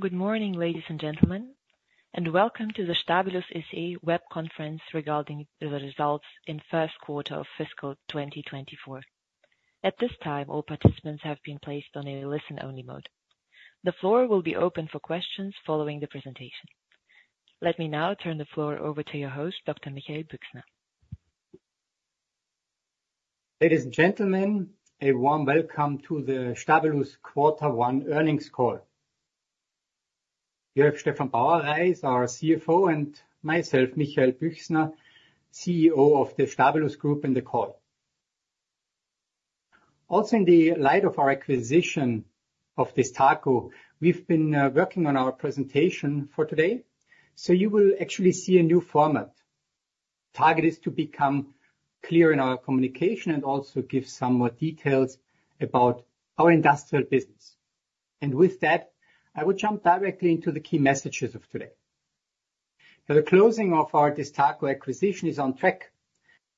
Good morning, ladies and gentlemen, and welcome to the Stabilus SE web conference regarding the results in first quarter of fiscal 2024. At this time, all participants have been placed on a listen-only mode. The floor will be open for questions following the presentation. Let me now turn the floor over to your host, Dr. Michael Büchsner. Ladies and gentlemen, a warm welcome to the Stabilus Quarter One earnings call. We have Stefan Bauerreis, our CFO, and myself, Michael Büchsner, CEO of the Stabilus Group in the call. Also, in the light of our acquisition of DESTACO, we've been working on our presentation for today, so you will actually see a new format. Target is to become clear in our communication and also give some more details about our industrial business. And with that, I will jump directly into the key messages of today. The closing of our DESTACO acquisition is on track,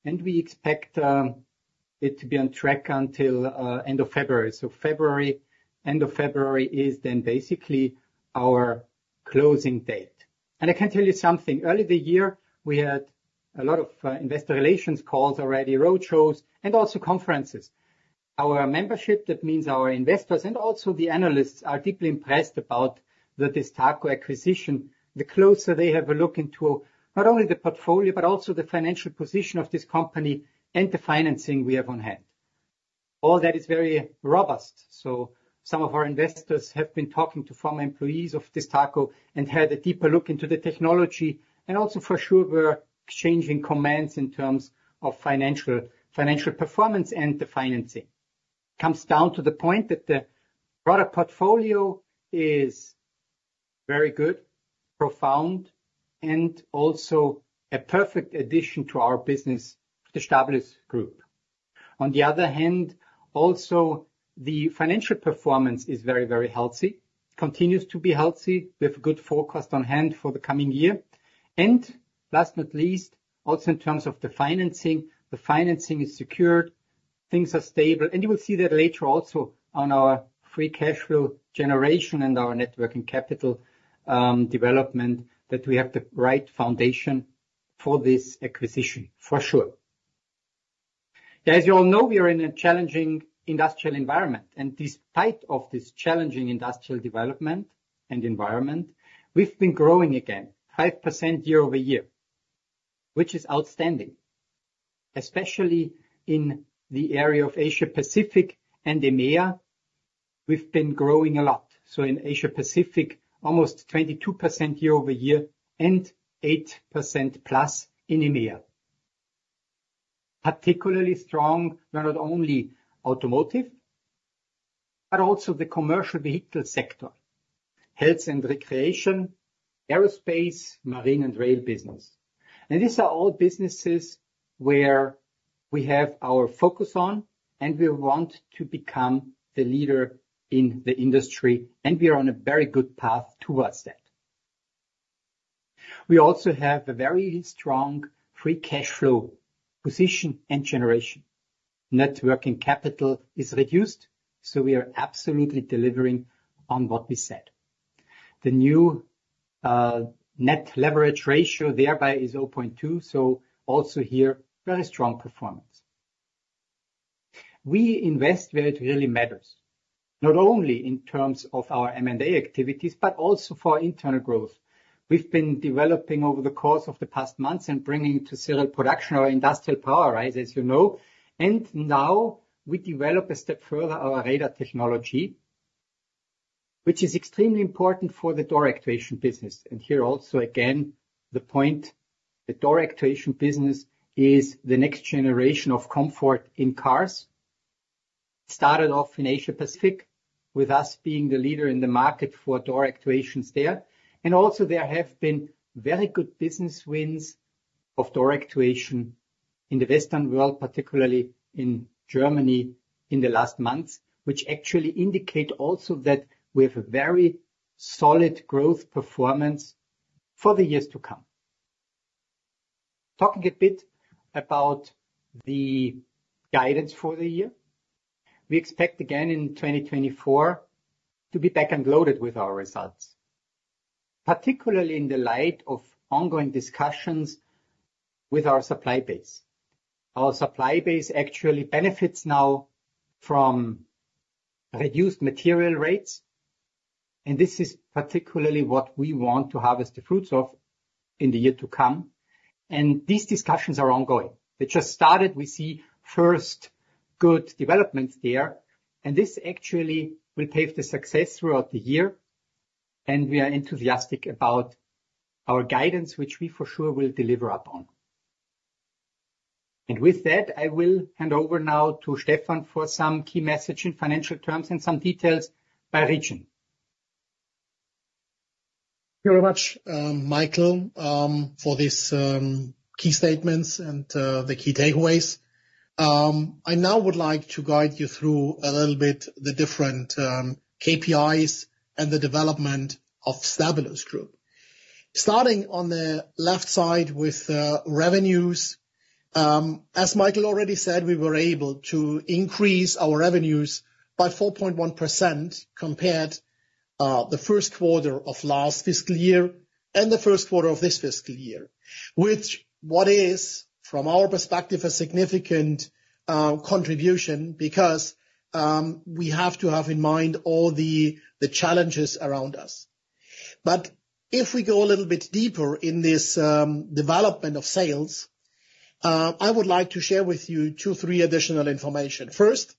and we expect it to be on track until end of February. So February, end of February is then basically our closing date. And I can tell you something, early the year, we had a lot of investor relations calls, already road shows and also conferences. Our membership, that means our investors and also the analysts, are deeply impressed about the DESTACO acquisition, the closer they have a look into not only the portfolio, but also the financial position of this company and the financing we have on hand. All that is very robust, so some of our investors have been talking to former employees of DESTACO and had a deeper look into the technology, and also, for sure, we're exchanging comments in terms of financial, financial performance, and the financing. Comes down to the point that the product portfolio is very good, profound, and also a perfect addition to our business, the Stabilus Group. On the other hand, also the financial performance is very, very healthy. Continues to be healthy, with good forecast on hand for the coming year, and last but not least, also in terms of the financing, the financing is secured, things are stable. And you will see that later also on our free cash flow generation and our net working capital development, that we have the right foundation for this acquisition, for sure. As you all know, we are in a challenging industrial environment, and despite of this challenging industrial development and environment, we've been growing again 5% year-over-year, which is outstanding. Especially in the area of Asia Pacific and EMEA, we've been growing a lot. So in Asia Pacific, almost 22% year-over-year, and 8%+ in EMEA. Particularly strong, not only automotive, but also the commercial vehicle sector, health and recreation, aerospace, marine and rail business. These are all businesses where we have our focus on, and we want to become the leader in the industry, and we are on a very good path towards that. We also have a very strong free cash flow position and generation. Net working capital is reduced, so we are absolutely delivering on what we said. The new net leverage ratio thereby is 0.2, so also here, very strong performance. We invest where it really matters, not only in terms of our M&A activities, but also for our internal growth. We've been developing over the course of the past months and bringing to serial production our industrial Powerise as you know, and now we develop a step further our radar technology, which is extremely important for the door actuation business. And here also, again, the point, the door actuation business is the next generation of comfort in cars. Started off in Asia Pacific, with us being the leader in the market for door actuations there. And also there have been very good business wins of door actuation in the Western world, particularly in Germany, in the last months, which actually indicate also that we have a very solid growth performance for the years to come. Talking a bit about the guidance for the year. We expect again, in 2024, to be back-end loaded with our results, particularly in the light of ongoing discussions with our supply base. Our supply base actually benefits now from reduced material rates, and this is particularly what we want to harvest the fruits of in the year to come. And these discussions are ongoing. They just started. We see first good developments there, and this actually will pave the success throughout the year, and we are enthusiastic about our guidance, which we for sure will deliver upon. And with that, I will hand over now to Stefan for some key message in financial terms and some details by region. Thank you very much, Michael, for this key statements and the key takeaways. I now would like to guide you through a little bit the different KPIs and the development of Stabilus Group. Starting on the left side with revenues. As Michael already said, we were able to increase our revenues by 4.1% compared the first quarter of last fiscal year and the first quarter of this fiscal year. Which, what is, from our perspective, a significant contribution, because we have to have in mind all the challenges around us. But if we go a little bit deeper in this development of sales, I would like to share with you two, three additional information. First,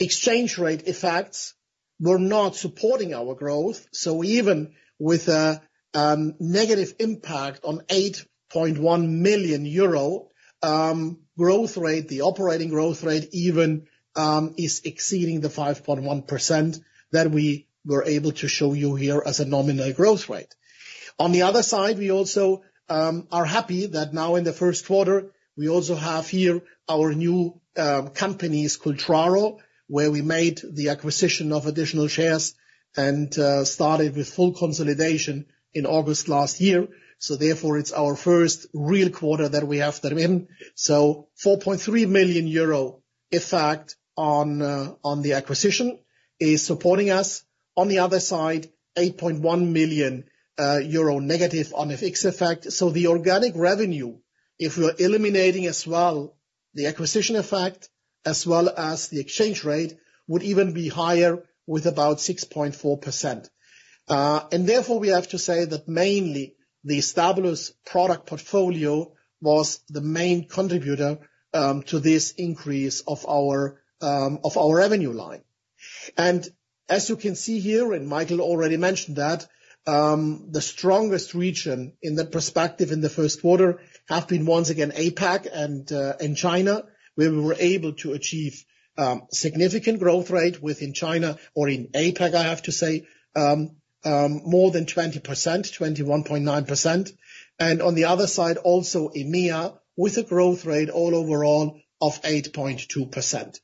exchange rate effects were not supporting our growth, so even with a negative impact on 8.1 million euro, growth rate, the operating growth rate even is exceeding the 5.1% that we were able to show you here as a nominal growth rate. On the other side, we also are happy that now in the first quarter, we also have here our new companies, Cultraro, where we made the acquisition of additional shares and started with full consolidation in August last year. So therefore, it's our first real quarter that we have them in. So 4.3 million euro effect on the acquisition is supporting us. On the other side, 8.1 million euro negative on a FX effect. So the organic revenue, if we're eliminating as well, the acquisition effect, as well as the exchange rate, would even be higher with about 6.4%. And therefore, we have to say that mainly the Stabilus product portfolio was the main contributor to this increase of our revenue line. As you can see here, and Michael already mentioned that, the strongest region in the perspective in the first quarter have been, once again, APAC and in China, where we were able to achieve significant growth rate within China or in APAC, I have to say, more than 20%, 21.9%. And on the other side, also EMEA, with a growth rate all overall of 8.2%.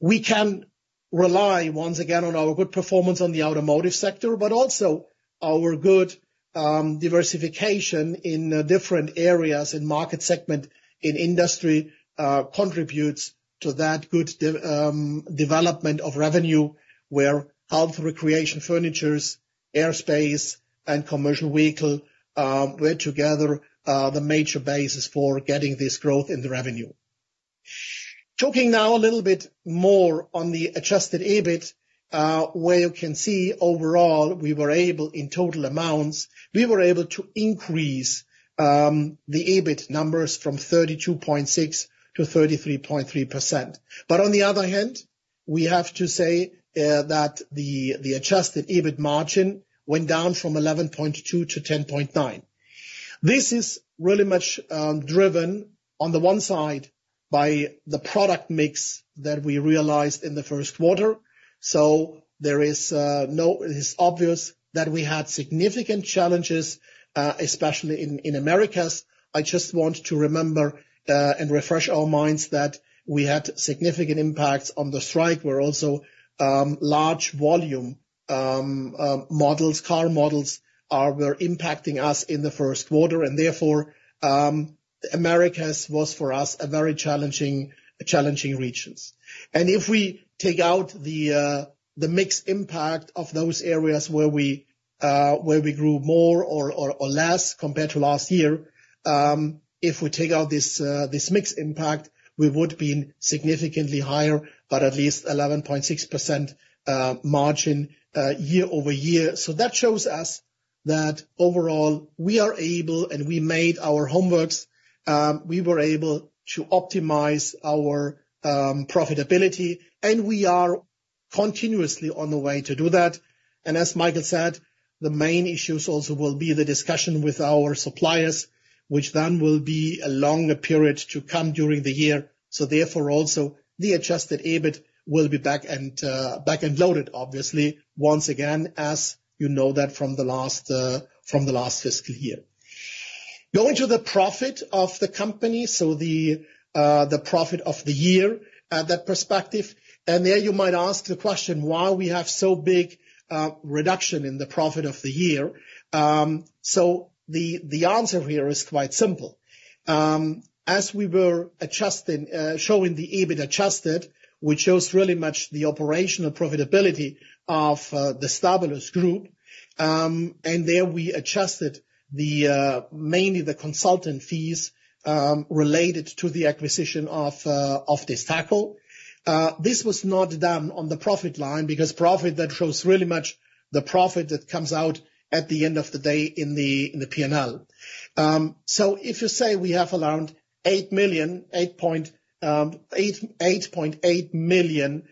We can rely once again on our good performance on the automotive sector, but also our good diversification in different areas in market segment, in industry, contributes to that good development of revenue, where health, recreation, furniture, aerospace, and commercial vehicle together are the major basis for getting this growth in the revenue. Talking now a little bit more on the Adjusted EBIT, where you can see overall, we were able, in total amounts, we were able to increase the EBIT numbers from 32.6 million to 33.3 million. But on the other hand, we have to say that the adjusted EBIT margin went down from 11.2% to 10.9%. This is really much driven on the one side by the product mix that we realized in the first quarter. So there is, it is obvious that we had significant challenges, especially in Americas. I just want to remember, and refresh our minds that we had significant impacts on the strike, where also, large volume models, car models are, were impacting us in the first quarter, and therefore, Americas was, for us, a very challenging regions. And if we take out the, the mix impact of those areas where we, where we grew more or less compared to last year, if we take out this, this mix impact, we would be significantly higher, but at least 11.6% margin year-over-year. So that shows us that overall, we are able, and we made our homework. We were able to optimize our profitability, and we are continuously on the way to do that. And as Michael said, the main issues also will be the discussion with our suppliers, which then will be a longer period to come during the year. So therefore, also, the Adjusted EBIT will be back-loaded, obviously, once again, as you know that from the last fiscal year. Going to the profit of the company, so the profit of the year, that perspective. And there, you might ask the question, why we have so big reduction in the profit of the year? So the answer here is quite simple. As we were adjusting, showing the adjusted EBIT, which shows really much the operational profitability of the Stabilus Group, and there we adjusted mainly the consultant fees related to the acquisition of DESTACO. This was not done on the profit line, because profit, that shows really much the profit that comes out at the end of the day in the P&L. So if you say we have around 8.8 million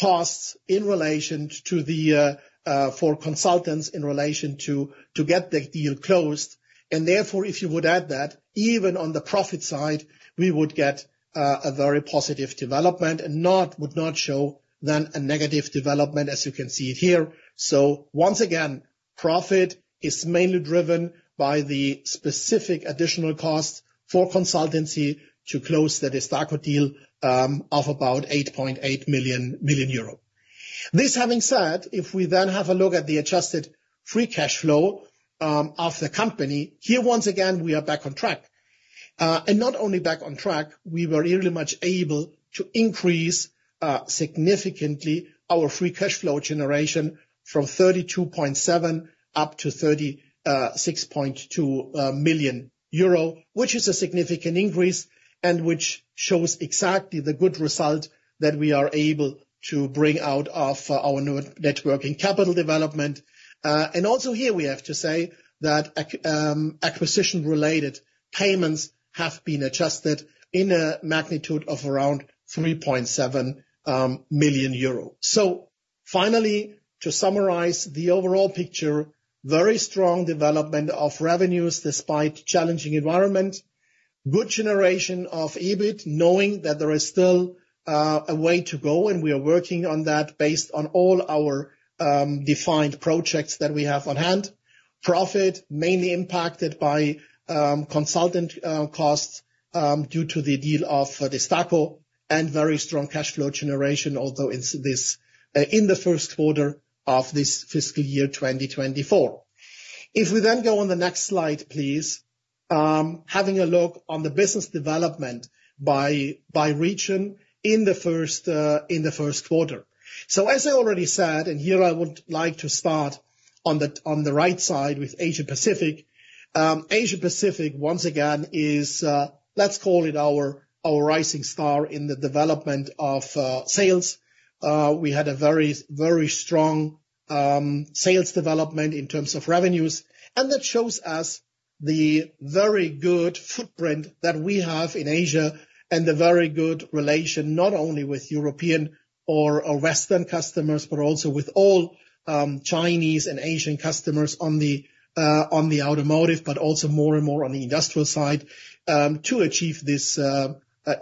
costs in relation to the for consultants in relation to to get the deal closed. And therefore, if you would add that, even on the profit side, we would get a very positive development and would not show then a negative development as you can see it here. So once again, profit is mainly driven by the specific additional costs for consultancy to close the DESTACO deal of about 8.8 million. This having said, if we then have a look at the adjusted free cash flow of the company, here, once again, we are back on track. And not only back on track, we were really much able to increase significantly our free cash flow generation from 32.7 up to 36.2 million euro, which is a significant increase, and which shows exactly the good result that we are able to bring out of our new net working capital development. And also here we have to say that acquisition-related payments have been adjusted in a magnitude of around 3.7 million euro. So finally, to summarize the overall picture, very strong development of revenues despite challenging environment. Good generation of EBIT, knowing that there is still a way to go, and we are working on that based on all our defined projects that we have on hand. Profit, mainly impacted by consultant costs due to the deal of DESTACO, and very strong cash flow generation, although it's this in the first quarter of this fiscal year, 2024. If we then go on the next slide, please, having a look on the business development by region in the first quarter. So as I already said, and here I would like to start on the right side with Asia Pacific. Asia Pacific, once again, is, let's call it our, our rising star in the development of, sales. We had a very, very strong, sales development in terms of revenues, and that shows us the very good footprint that we have in Asia, and the very good relation, not only with European or, or Western customers, but also with all, Chinese and Asian customers on the, on the automotive, but also more and more on the industrial side, to achieve this,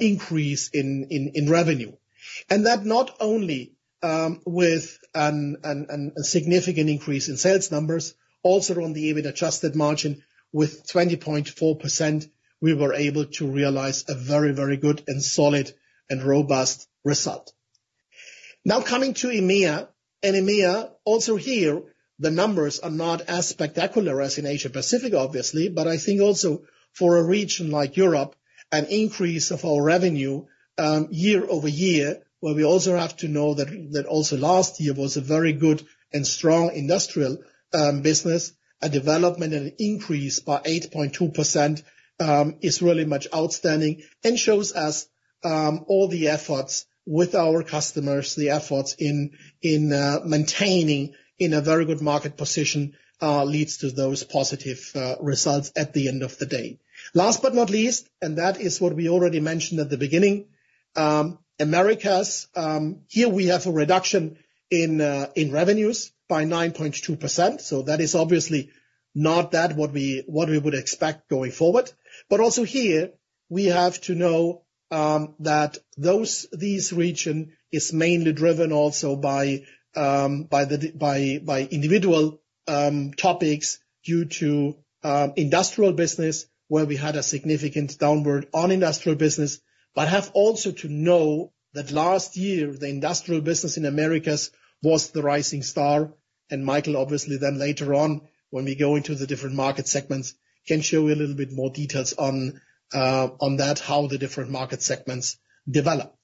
increase in, in, in revenue. And that not only, with an, an, an significant increase in sales numbers, also on the EBIT-adjusted margin with 20.4%, we were able to realize a very, very good and solid and robust result. Now coming to EMEA, and EMEA, also here, the numbers are not as spectacular as in Asia Pacific, obviously, but I think also for a region like Europe, an increase of our revenue year-over-year, where we also have to know that, that also last year was a very good and strong industrial business, a development and increase by 8.2%, is really much outstanding and shows us all the efforts with our customers, the efforts in, in, maintaining in a very good market position, leads to those positive results at the end of the day. Last but not least, and that is what we already mentioned at the beginning, Americas. Here we have a reduction in, in revenues by 9.2%, so that is obviously not that what we, what we would expect going forward. But also here, we have to know that these region is mainly driven also by by individual topics due to industrial business, where we had a significant downward on industrial business. But have also to know that last year, the industrial business in Americas was the rising star, and Michael, obviously, then later on, when we go into the different market segments, can show you a little bit more details on that, how the different market segments develop.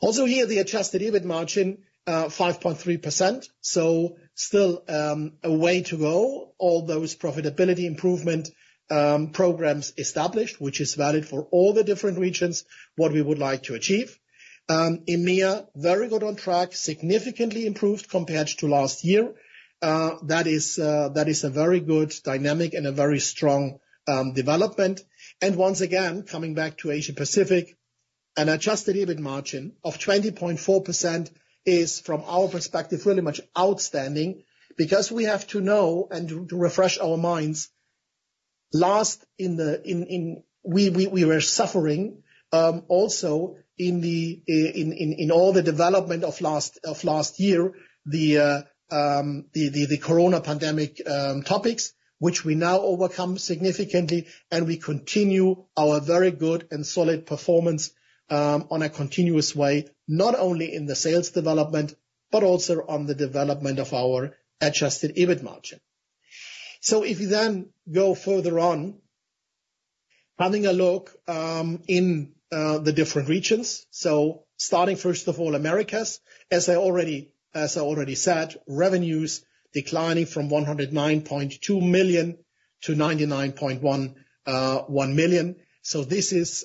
Also, here, the Adjusted EBIT margin 5.3%, so still a way to go. All those profitability improvement programs established, which is valid for all the different regions, what we would like to achieve. EMEA, very good on track, significantly improved compared to last year. That is a very good dynamic and a very strong development. And once again, coming back to Asia Pacific, an Adjusted EBIT margin of 20.4% is, from our perspective, really much outstanding because we have to know and to refresh our minds, last year we were suffering also in all the development of last year, the corona pandemic topics, which we now overcome significantly, and we continue our very good and solid performance on a continuous way, not only in the sales development, but also on the development of our Adjusted EBIT margin. So if you then go further on, having a look in the different regions. So starting, first of all, Americas. As I already said, revenues declining from 109.2 million to 99.1 million. So this is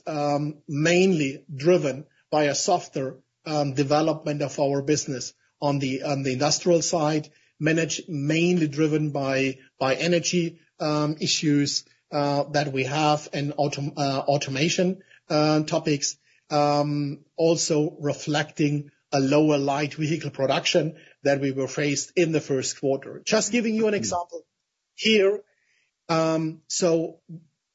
mainly driven by a softer development of our business on the industrial side, mainly driven by energy issues that we have in automation topics. Also reflecting a lower light vehicle production that we were faced in the first quarter. Just giving you an example here, so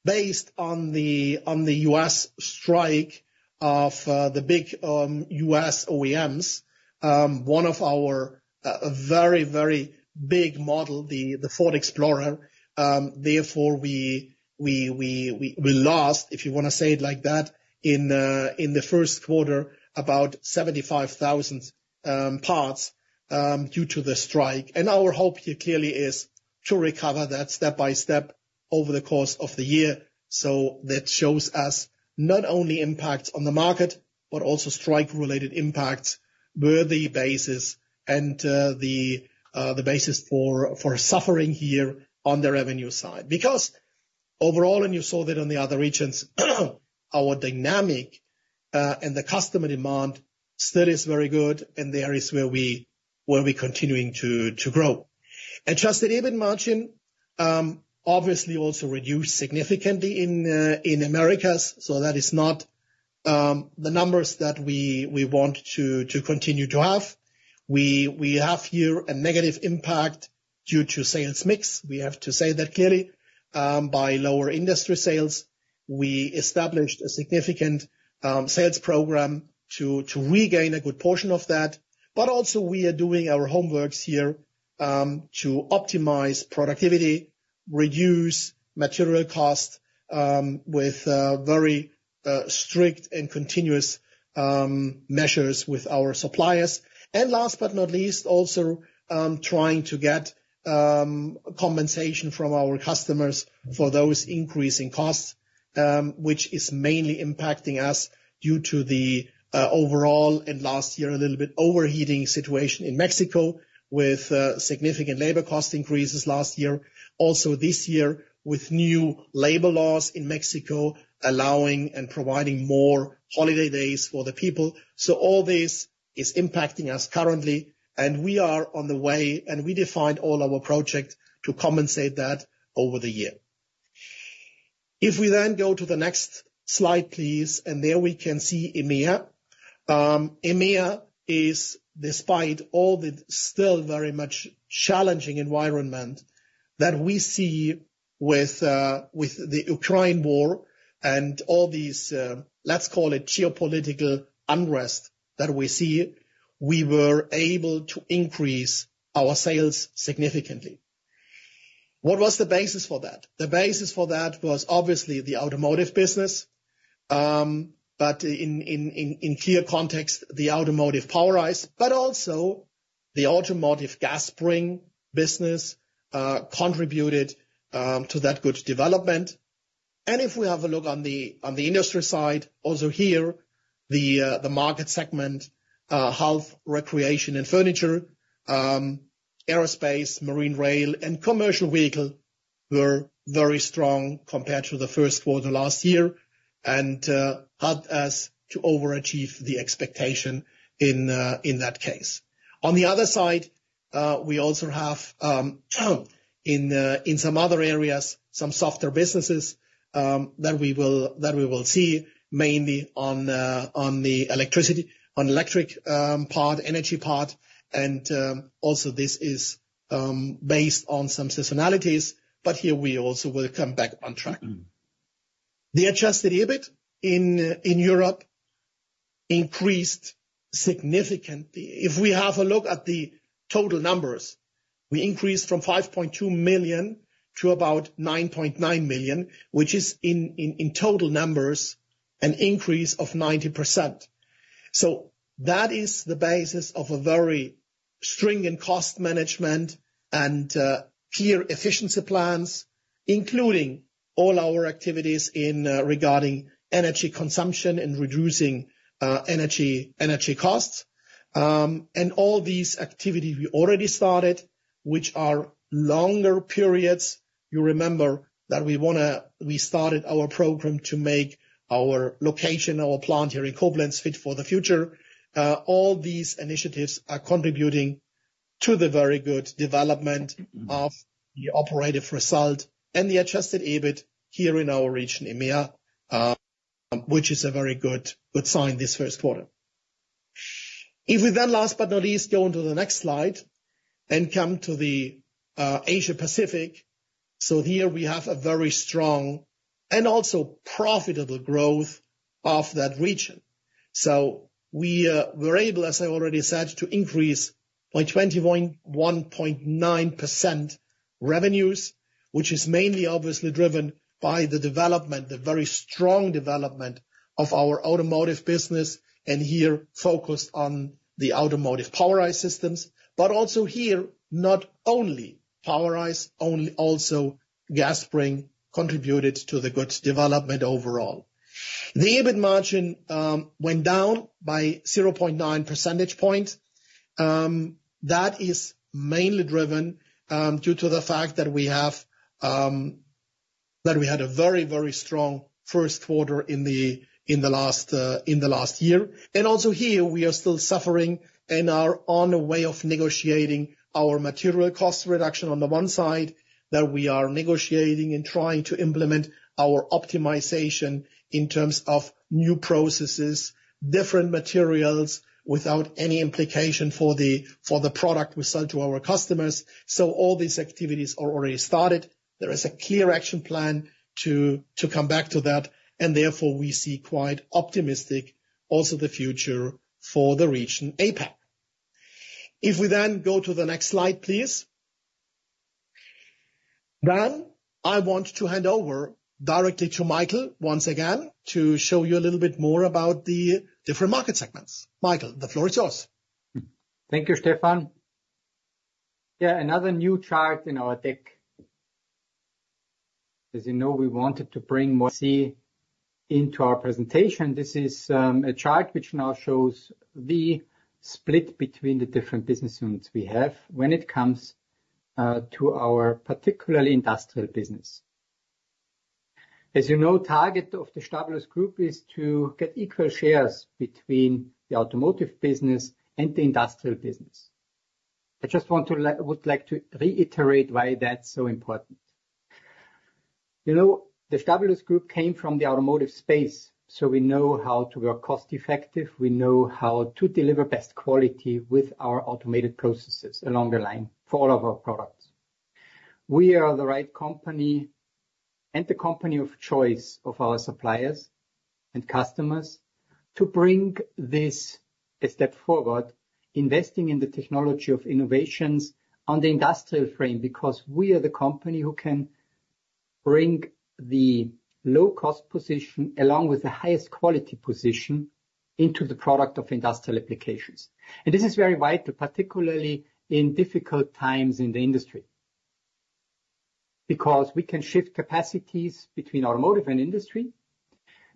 based on the US strike of the big US OEMs, one of our very big models, the Ford Explorer. Therefore, we lost, if you wanna say it like that, in the first quarter, about 75,000 parts due to the strike. And our hope here clearly is to recover that step by step over the course of the year. So that shows us not only impacts on the market, but also strike-related impacts were the basis and the basis for suffering here on the revenue side. Because overall, and you saw that on the other regions, our dynamic and the customer demand still is very good, and there is where we continuing to grow. Adjusted EBIT margin, obviously also reduced significantly in Americas, so that is not the numbers that we want to continue to have. We have here a negative impact due to sales mix. We have to say that clearly by lower industry sales. We established a significant sales program to regain a good portion of that, but also we are doing our homeworks here to optimize productivity, reduce material costs with very strict and continuous measures with our suppliers. And last but not least, also trying to get compensation from our customers for those increasing costs, which is mainly impacting us due to the overall, and last year, a little bit overheating situation in Mexico with significant labor cost increases last year. Also, this year, with new labor laws in Mexico, allowing and providing more holiday days for the people. So all this is impacting us currently, and we are on the way, and we defined all our projects to compensate that over the year. If we then go to the next slide, please, and there we can see EMEA. EMEA is, despite all the still very much challenging environment that we see with the Ukraine war and all these, let's call it geopolitical unrest that we see, we were able to increase our sales significantly. What was the basis for that? The basis for that was obviously the automotive business. But in clear context, the automotive Powerise, but also the automotive gas spring business contributed to that good development. And if we have a look on the industry side, also here, the market segment health, recreation, and furniture, aerospace, marine, rail, and commercial vehicle were very strong compared to the first quarter last year, and helped us to overachieve the expectation in that case. On the other side, we also have in some other areas some softer businesses that we will, that we will see mainly on the electric part, energy part, and also this is based on some seasonalities, but here we also will come back on track. The Adjusted EBIT in Europe increased significantly. If we have a look at the total numbers, we increased from 5.2 million to about 9.9 million, which is in total numbers an increase of 90%. So that is the basis of a very stringent cost management and clear efficiency plans, including all our activities in regarding energy consumption and reducing energy costs. And all these activities we already started, which are longer periods. You remember that we wanna—we started our program to make our location, our plant here in Koblenz, fit for the future. All these initiatives are contributing to the very good development of the operative result and the Adjusted EBIT here in our region, EMEA, which is a very good, good sign this first quarter. If we then, last but not least, go onto the next slide, and come to the Asia Pacific. So here we have a very strong and also profitable growth of that region. So we were able, as I already said, to increase by 21.9% revenues, which is mainly obviously driven by the development, the very strong development of our automotive business, and here focused on the automotive Powerise systems. But also here, not only Powerise, only also gas spring contributed to the good development overall. The EBIT margin went down by 0.9 percentage point. That is mainly driven due to the fact that we had a very, very strong first quarter in the last year. And also here, we are still suffering and are on the way of negotiating our material cost reduction on the one side, that we are negotiating and trying to implement our optimization in terms of new processes, different materials, without any implication for the product we sell to our customers. So all these activities are already started. There is a clear action plan to come back to that, and therefore, we see quite optimistic, also the future for the region, APAC. If we then go to the next slide, please. Then, I want to hand over directly to Michael, once again, to show you a little bit more about the different market segments. Michael, the floor is yours. Thank you, Stefan. Yeah, another new chart in our deck. As you know, we wanted to bring more C into our presentation. This is a chart which now shows the split between the different business units we have when it comes to our particularly industrial business. As you know, target of the Stabilus Group is to get equal shares between the automotive business and the industrial business. I would like to reiterate why that's so important. You know, the Stabilus Group came from the automotive space, so we know how to work cost effective, we know how to deliver best quality with our automated processes along the line for all of our products. We are the right company, and the company of choice of our suppliers and customers, to bring this a step forward, investing in the technology of innovations on the industrial frame, because we are the company who can bring the low cost position, along with the highest quality position, into the product of industrial applications. This is very vital, particularly in difficult times in the industry. Because we can shift capacities between automotive and industry,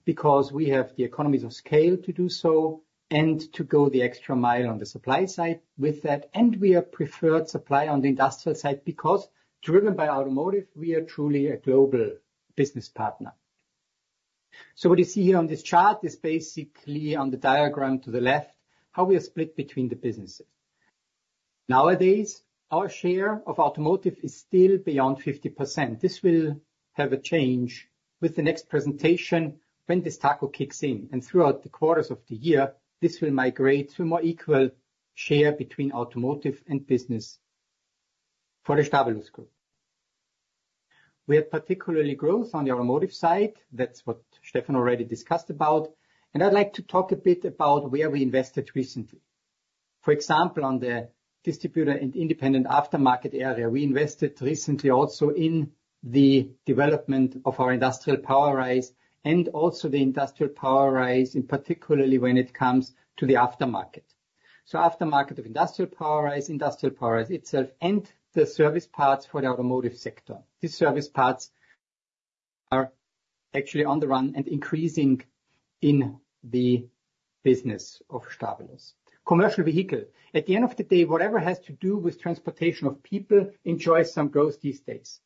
because we have the economies of scale to do so, and to go the extra mile on the supply side with that, and we are preferred supplier on the industrial side, because driven by automotive, we are truly a global business partner. What you see here on this chart is basically, on the diagram to the left, how we are split between the businesses. Nowadays, our share of automotive is still beyond 50%. This will have a change with the next presentation when this DESTACO kicks in, and throughout the quarters of the year, this will migrate to a more equal share between automotive and business for the Stabilus Group. We have particularly growth on the automotive side. That's what Stefan already discussed about, and I'd like to talk a bit about where we invested recently. For example, on the distributor and independent aftermarket area, we invested recently also in the development of our industrial Powerise, and also the industrial Powerise, in particularly when it comes to the aftermarket. So aftermarket of industrial Powerise, industrial Powerise itself, and the service parts for the automotive sector. These service parts are actually on the run and increasing in the business of Stabilus. Commercial vehicle. At the end of the day, whatever has to do with transportation of people enjoys some growth these days.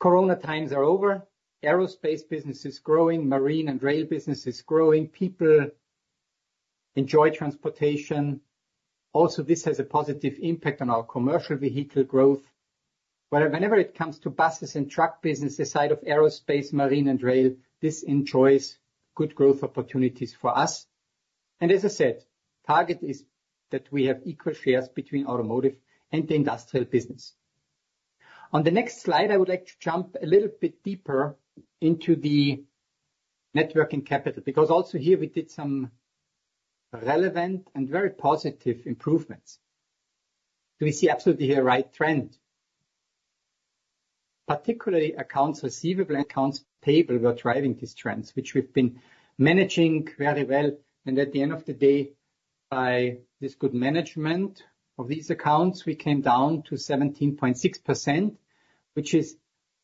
Corona times are over, aerospace business is growing, marine and rail business is growing, people enjoy transportation. Also, this has a positive impact on our commercial vehicle growth. Whenever it comes to buses and truck business, the side of aerospace, marine and rail, this enjoys good growth opportunities for us. And as I said, target is that we have equal shares between automotive and the industrial business. On the next slide, I would like to jump a little bit deeper into the net working capital, because also here, we did some relevant and very positive improvements. Do we see absolutely a right trend? Particularly, accounts receivable and accounts payable were driving these trends, which we've been managing very well. At the end of the day, by this good management of these accounts, we came down to 17.6%, which is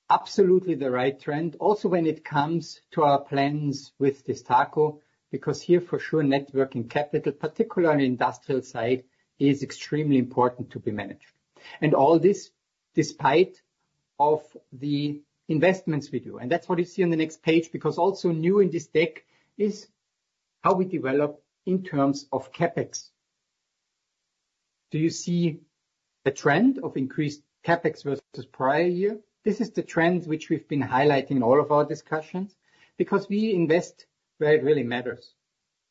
absolutely the right trend. Also, when it comes to our plans with DESTACO, because here, for sure, net working capital, particularly on the industrial side, is extremely important to be managed. All this despite of the investments we do. That's what you see on the next page, because also new in this deck is how we develop in terms of CapEx. Do you see a trend of increased CapEx versus prior year? This is the trend which we've been highlighting in all of our discussions, because we invest where it really matters.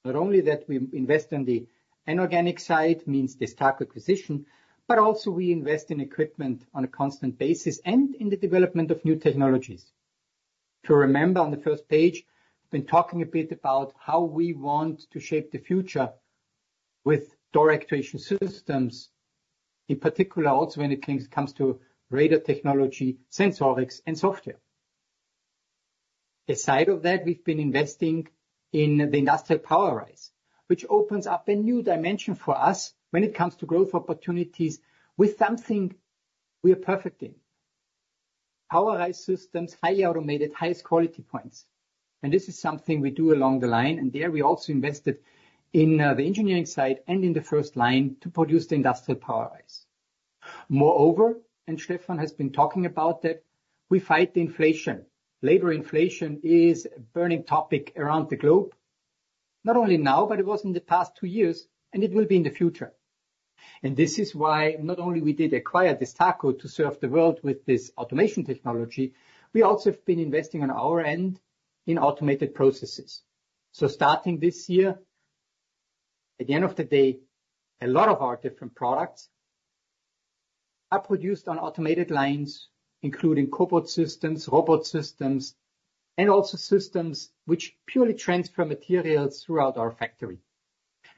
Not only that, we invest in the inorganic side, meansDESTACO acquisition, but also we invest in equipment on a constant basis and in the development of new technologies. To remember on the first page, we've been talking a bit about how we want to shape the future with door actuation systems, in particular, also, when it comes to radar technology, sensorics, and software. Aside from that, we've been investing in the industrial Powerise, which opens up a new dimension for us when it comes to growth opportunities with something we are perfect in. Powerise systems, highly automated, highest quality points, and this is something we do along the line, and there, we also invested in the engineering side and in the first line to produce the industrial Powerise. Moreover, and Stefan has been talking about that, we fight inflation. Labor inflation is a burning topic around the globe, not only now, but it was in the past two years, and it will be in the future. And this is why not only we did acquire DESTACO to serve the world with this automation technology, we also have been investing on our end in automated processes. So starting this year, at the end of the day, a lot of our different products are produced on automated lines, including cobot systems, robot systems, and also systems which purely transfer materials throughout our factory.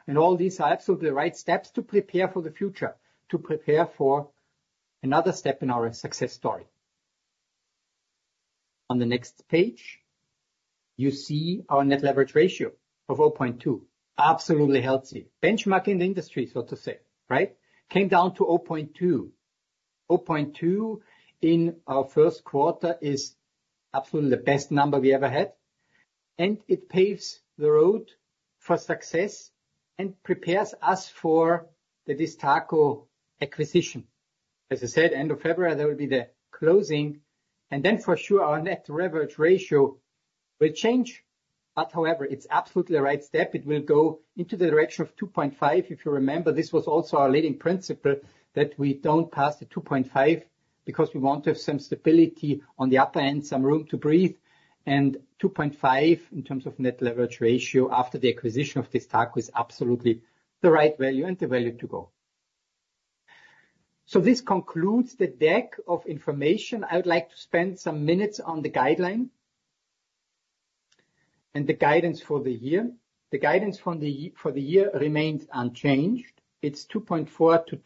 And all these are absolutely the right steps to prepare for the future, to prepare for another step in our success story. On the next page, you see our net leverage ratio of 0.2. Absolutely healthy. Benchmark in the industry, so to say, right? Came down to 0.2. 0.2 in our first quarter is absolutely the best number we ever had, and it paves the road for success and prepares us for the DESTACO acquisition. As I said, end of February, there will be the closing, and then for sure, our net leverage ratio will change. But however, it's absolutely the right step. It will go into the direction of 2.5. If you remember, this was also our leading principle, that we don't pass the 2.5, because we want to have some stability on the upper end, some room to breathe. And 2.5, in terms of net leverage ratio after the acquisition of DESTACO, is absolutely the right value and the value to go. So this concludes the deck of information. I would like to spend some minutes on the guideline, and the guidance for the year. The guidance from the year for the year remains unchanged. It's 1.4 to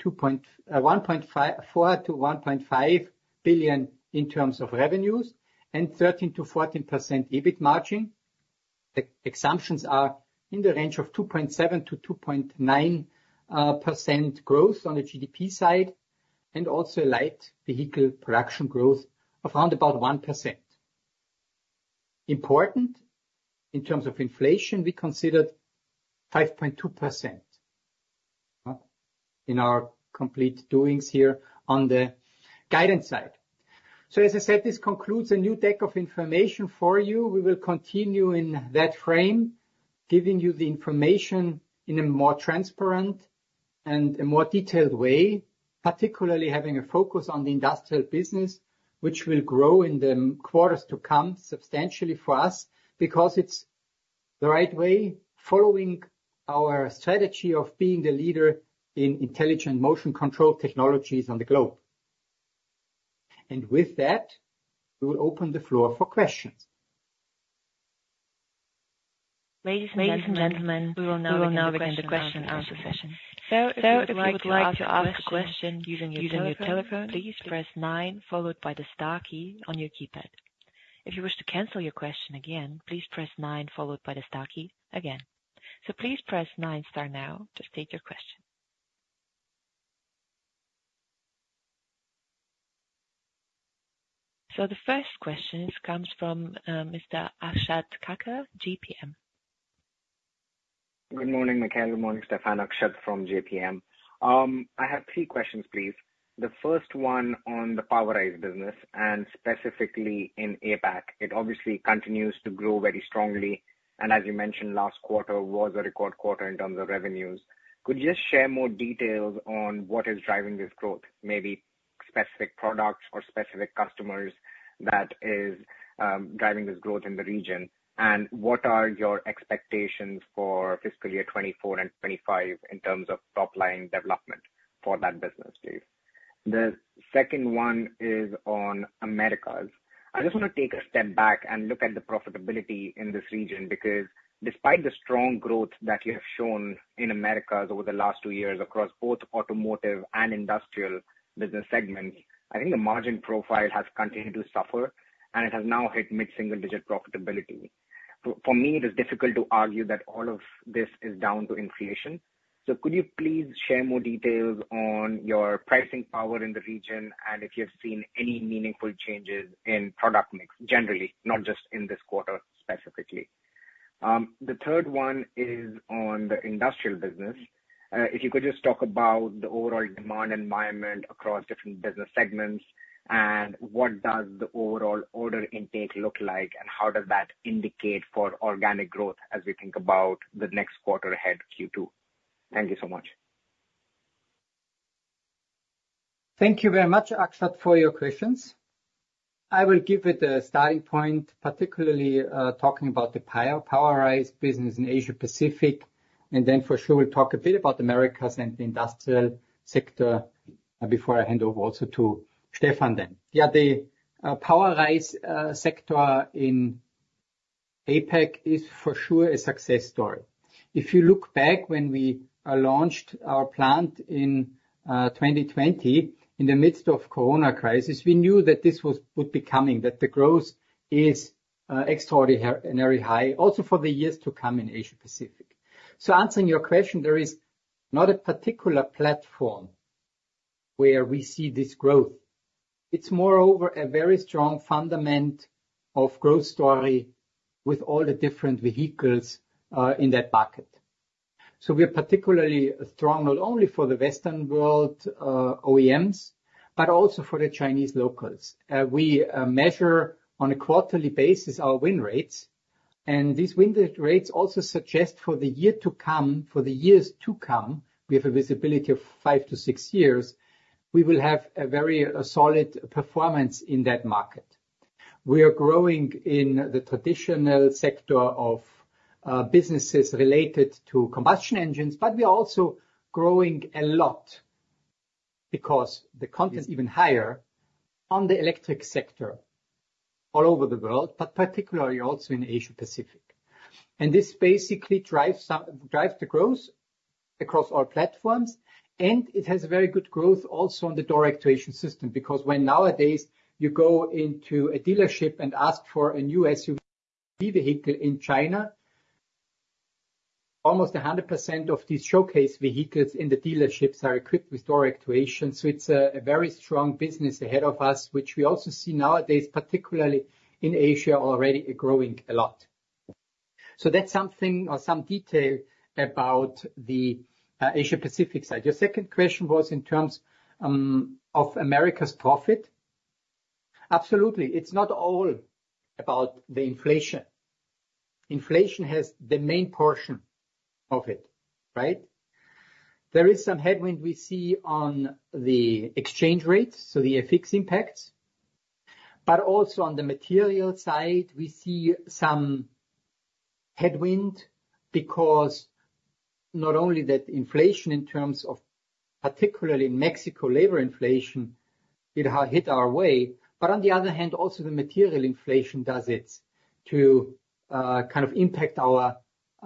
1.5 billion in terms of revenues and 13%-14% EBIT margin. The assumptions are in the range of 2.7%-2.9% growth on the GDP side, and also light vehicle production growth of around about 1%. Important, in terms of inflation, we considered 5.2% in our complete doings here on the guidance side. So as I said, this concludes a new deck of information for you. We will continue in that frame, giving you the information in a more transparent and a more detailed way, particularly having a focus on the industrial business, which will grow in the quarters to come substantially for us, because it's the right way, following our strategy of being the leader in intelligent motion control technologies on the globe. With that, we will open the floor for questions. Ladies and gentlemen, we will now begin the question and answer session. So if you would like to ask a question using your telephone, please press nine, followed by the star key on your keypad. If you wish to cancel your question again, please press nine, followed by the star key again. So please press nine star now to state your question. So the first question comes from Mr. Akash Gupta, J.P. Morgan. Good morning, Michael. Good morning, Stefan. Akash from JPM. I have three questions, please. The first one on the Powerise business, and specifically in APAC. It obviously continues to grow very strongly, and as you mentioned, last quarter was a record quarter in terms of revenues. Could you just share more details on what is driving this growth? Maybe specific products or specific customers that is driving this growth in the region. And what are your expectations for fiscal year 2024 and 2025 in terms of top line development for that business, please? The second one is on Americas. I just want to take a step back and look at the profitability in this region, because despite the strong growth that you have shown in Americas over the last two years across both automotive and industrial business segments, I think the margin profile has continued to suffer, and it has now hit mid-single digit profitability. For me, it is difficult to argue that all of this is down to inflation. So could you please share more details on your pricing power in the region, and if you have seen any meaningful changes in product mix, generally, not just in this quarter specifically? The third one is on the industrial business. If you could just talk about the overall demand environment across different business segments, and what does the overall order intake look like, and how does that indicate for organic growth as we think about the next quarter ahead, Q2? Thank you so much. Thank you very much, Akash, for your questions. I will give it a starting point, particularly, talking about the Powerise business in Asia Pacific, and then for sure, we'll talk a bit about Americas and the industrial sector, before I hand over also to Stefan then. Yeah, the Powerise sector in APAC is for sure a success story. If you look back when we launched our plant in 2020, in the midst of Corona crisis, we knew that this would be coming, that the growth is extraordinary high, also for the years to come in Asia Pacific. So answering your question, there is not a particular platform where we see this growth. It's moreover, a very strong fundament of growth story with all the different vehicles in that bucket. So we are particularly strong, not only for the Western world OEMs, but also for the Chinese locals. We measure on a quarterly basis our win rates, and these win rates also suggest for the year to come, for the years to come, we have a visibility of 5-6 years, we will have a very solid performance in that market. We are growing in the traditional sector of businesses related to combustion engines, but we are also growing a lot because the content is even higher on the electric sector all over the world, but particularly also in Asia Pacific. This basically drives the growth across our platforms, and it has very good growth also on the door actuation system, because nowadays you go into a dealership and ask for a new SUV vehicle in China, almost 100% of these showcase vehicles in the dealerships are equipped with door actuation. So it's a very strong business ahead of us, which we also see nowadays, particularly in Asia, already growing a lot. So that's something or some detail about the Asia Pacific side. Your second question was in terms of America's profit? Absolutely. It's not all about the inflation. Inflation has the main portion of it, right? There is some headwind we see on the exchange rates, so the FX impacts, but also on the material side, we see some headwind, because not only that inflation, in terms of particularly Mexico labor inflation, it has hit our way, but on the other hand, also the material inflation does it too, kind of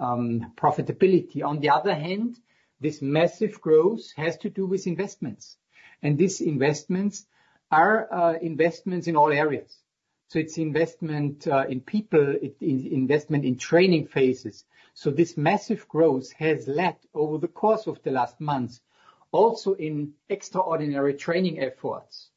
impact our profitability. On the other hand, this massive growth has to do with investments, and these investments are investments in all areas. So it's investment in people, in investment in training phases. So this massive growth has led, over the course of the last months, also in extraordinary training efforts,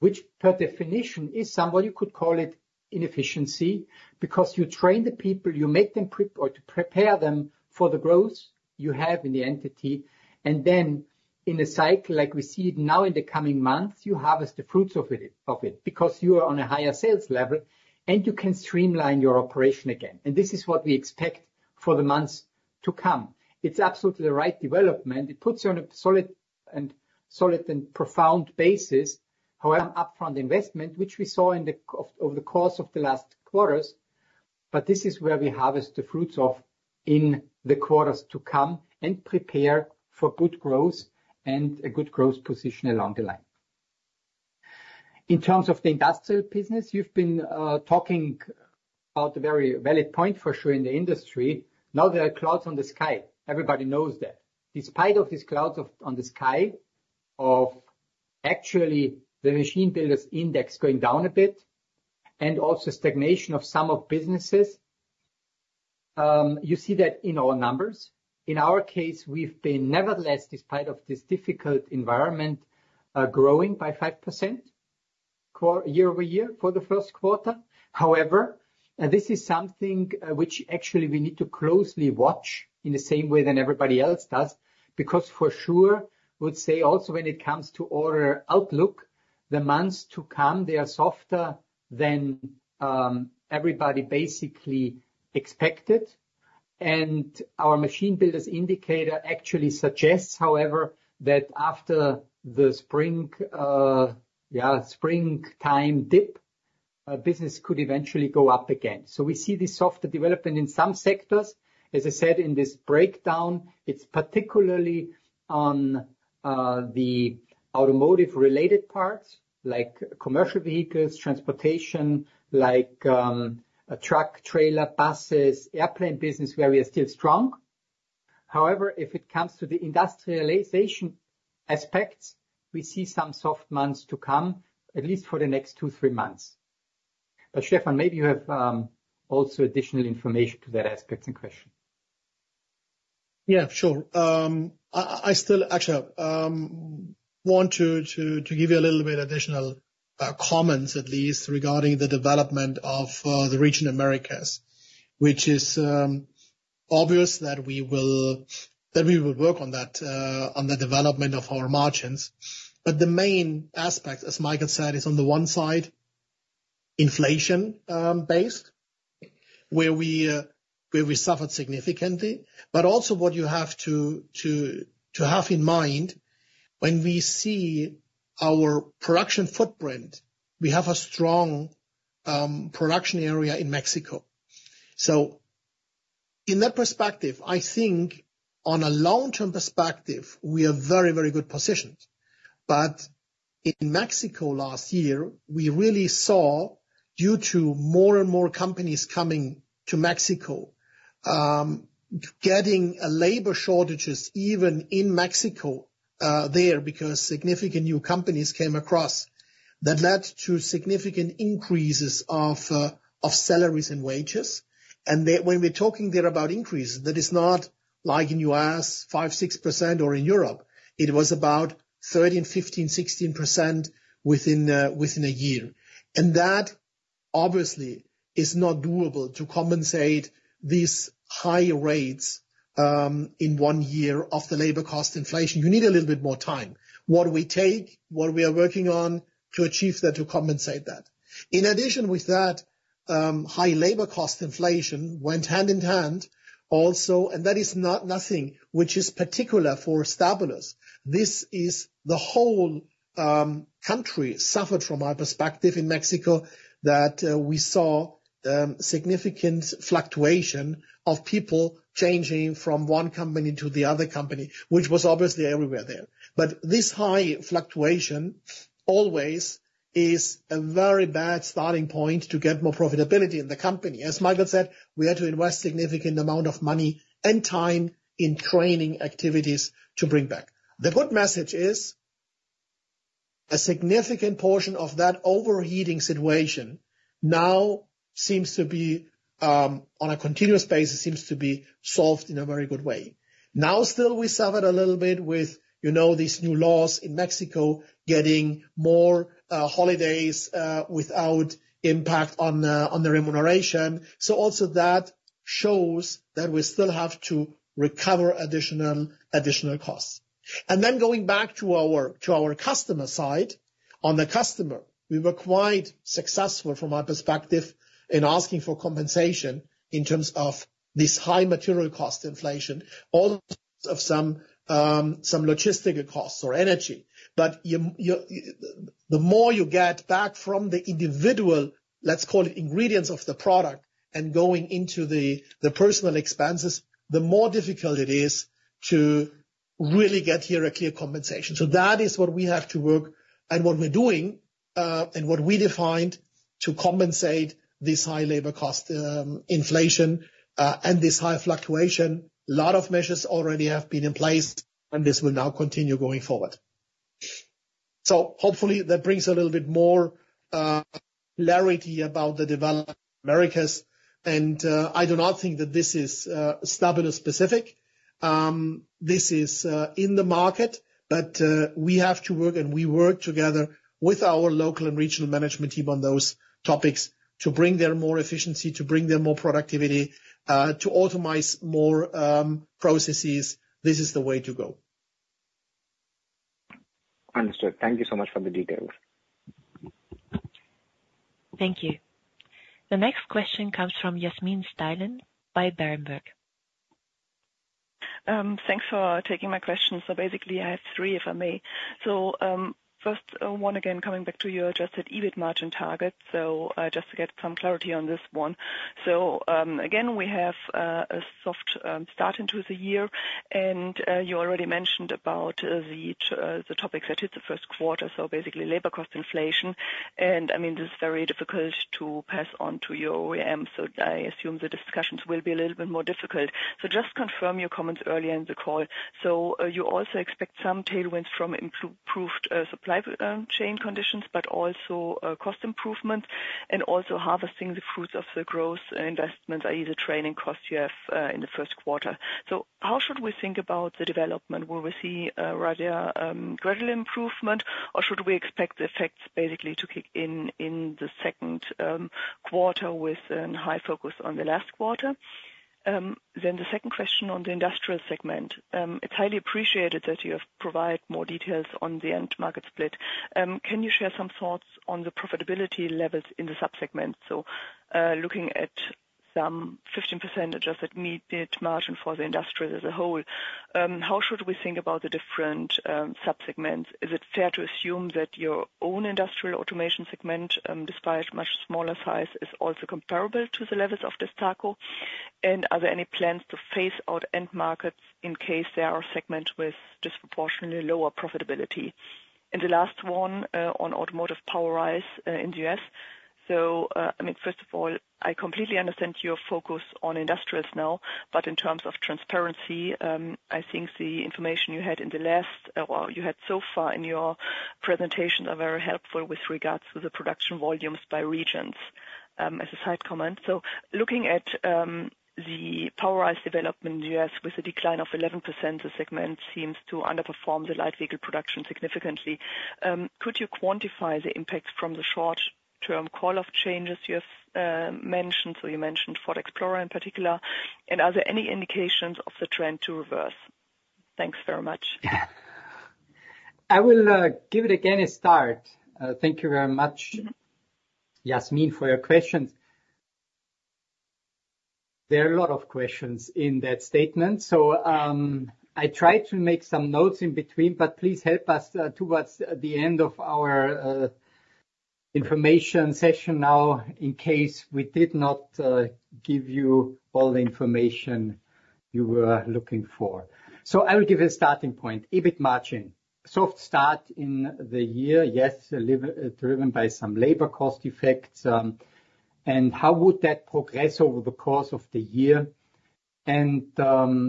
which, per definition, is somewhat you could call it inefficiency, because you train the people, you make them or to prepare them for the growth you have in the entity. Then in a cycle, like we see it now in the coming months, you harvest the fruits of it, of it, because you are on a higher sales level, and you can streamline your operation again. This is what we expect for the months to come. It's absolutely the right development. It puts you on a solid and, solid and profound basis. However, upfront investment, which we saw over the course of the last quarters, but this is where we harvest the fruits of in the quarters to come and prepare for good growth and a good growth position along the line. In terms of the industrial business, you've been talking about a very valid point for sure in the industry. Now there are clouds on the sky. Everybody knows that. Despite of these clouds on the sky, of actually the machine builders index going down a bit, and also stagnation of some of businesses, you see that in our numbers. In our case, we've been nevertheless, despite of this difficult environment, growing by 5% year-over-year for the first quarter. However, this is something, which actually we need to closely watch in the same way that everybody else does, because for sure, I would say also when it comes to order outlook, the months to come, they are softer than, everybody basically expected. And our machine builders indicator actually suggests, however, that after the spring, springtime dip, business could eventually go up again. So we see this softer development in some sectors. As I said, in this breakdown, it's particularly on the automotive-related parts, like commercial vehicles, transportation, like a truck, trailer, buses, airplane business, where we are still strong. However, if it comes to the industrialization aspects, we see some soft months to come, at least for the next 2-3 months. But Stefan, maybe you have also additional information to that aspect in question. Yeah, sure. I still actually want to give you a little bit additional comments, at least regarding the development of the region Americas, which is obvious that we will, that we would work on that, on the development of our margins. But the main aspect, as Michael said, is on the one side, inflation-based, where we suffered significantly. But also what you have to have in mind when we see our production footprint, we have a strong production area in Mexico. So in that perspective, I think on a long-term perspective, we are very, very good positioned. But in Mexico last year, we really saw, due to more and more companies coming to Mexico, getting a labor shortages even in Mexico, there, because significant new companies came across. That led to significant increases of salaries and wages, and then when we're talking there about increases, that is not like in US, 5-6%, or in Europe. It was about 13%-16% within a year. And that, obviously, is not doable to compensate these high rates in one year of the labor cost inflation. You need a little bit more time. What we take, what we are working on to achieve that, to compensate that. In addition, with that, high labor cost inflation went hand in hand also, and that is not nothing, which is particular for Stabilus. This is the whole country suffered from our perspective in Mexico, that we saw significant fluctuation of people changing from one company to the other company, which was obviously everywhere there. This high fluctuation always is a very bad starting point to get more profitability in the company. As Michael said, we had to invest significant amount of money and time in training activities to bring back. The good message is, a significant portion of that overheating situation now seems to be, on a continuous basis, seems to be solved in a very good way. Now, still, we suffer a little bit with, you know, these new laws in Mexico, getting more holidays without impact on the, on the remuneration. So also that shows that we still have to recover additional, additional costs. And then going back to our, to our customer side. On the customer, we were quite successful, from my perspective, in asking for compensation in terms of this high material cost inflation, all of some, some logistical costs or energy. But you, the more you get back from the individual, let's call it, ingredients of the product, and going into the personal expenses, the more difficult it is to really get here a clear compensation. So that is what we have to work, and what we're doing, and what we defined to compensate this high labor cost inflation, and this high fluctuation. A lot of measures already have been in place, and this will now continue going forward. So hopefully that brings a little bit more clarity about the development of Americas. And, I do not think that this is Stabilus specific. This is in the market, but we have to work, and we work together with our local and regional management team on those topics, to bring there more efficiency, to bring there more productivity, to automate more processes. This is the way to go. Understood. Thank you so much for the details. Thank you. The next question comes from Yasmin Steilen by Berenberg. Thanks for taking my question. So basically, I have three, if I may. So, first, one again, coming back to you, adjusted EBIT margin target. So, just to get some clarity on this one. So, again, we have, a soft, start into the year, and, you already mentioned about, the topics that hit the first quarter, so basically labor cost inflation. And, I mean, this is very difficult to pass on to your OEM, so I assume the discussions will be a little bit more difficult. So just confirm your comments earlier in the call. So, you also expect some tailwinds from improved, supply, chain conditions, but also, cost improvements, and also harvesting the fruits of the growth and investments, i.e., the training costs you have, in the first quarter. So how should we think about the development? Will we see, rather, gradual improvement, or should we expect the effects basically to kick in, in the second quarter, with a high focus on the last quarter? Then the second question on the industrial segment. It's highly appreciated that you have provide more details on the end market split. Can you share some thoughts on the profitability levels in the sub-segments? So, looking at some 15% adjusted EBITmargin for the industrials as a whole, how should we think about the different sub-segments? Is it fair to assume that your own industrial automation segment, despite much smaller size, is also comparable to the levels of DESTACO? And are there any plans to phase out end markets in case there are segments with disproportionately lower profitability? And the last one on automotive Powerise in the U.S. So, I mean, first of all, I completely understand your focus on industrials now, but in terms of transparency, I think the information you had in the last, or you had so far in your presentations, are very helpful with regards to the production volumes by regions, as a side comment. So looking at the Powerise development in the U.S., with a decline of 11%, the segment seems to underperform the light vehicle production significantly. Could you quantify the impact from the short-term call-off changes you have mentioned? So you mentioned Ford Explorer in particular, and are there any indications of the trend to reverse? Thanks very much. I will give it again a start. Thank you very much, Yasmin, for your questions. There are a lot of questions in that statement, so I tried to make some notes in between, but please help us towards the end of our information session now, in case we did not give you all the information you were looking for. So I will give a starting point. EBIT margin. Soft start in the year, yes, driven by some labor cost effects, and how would that progress over the course of the year? And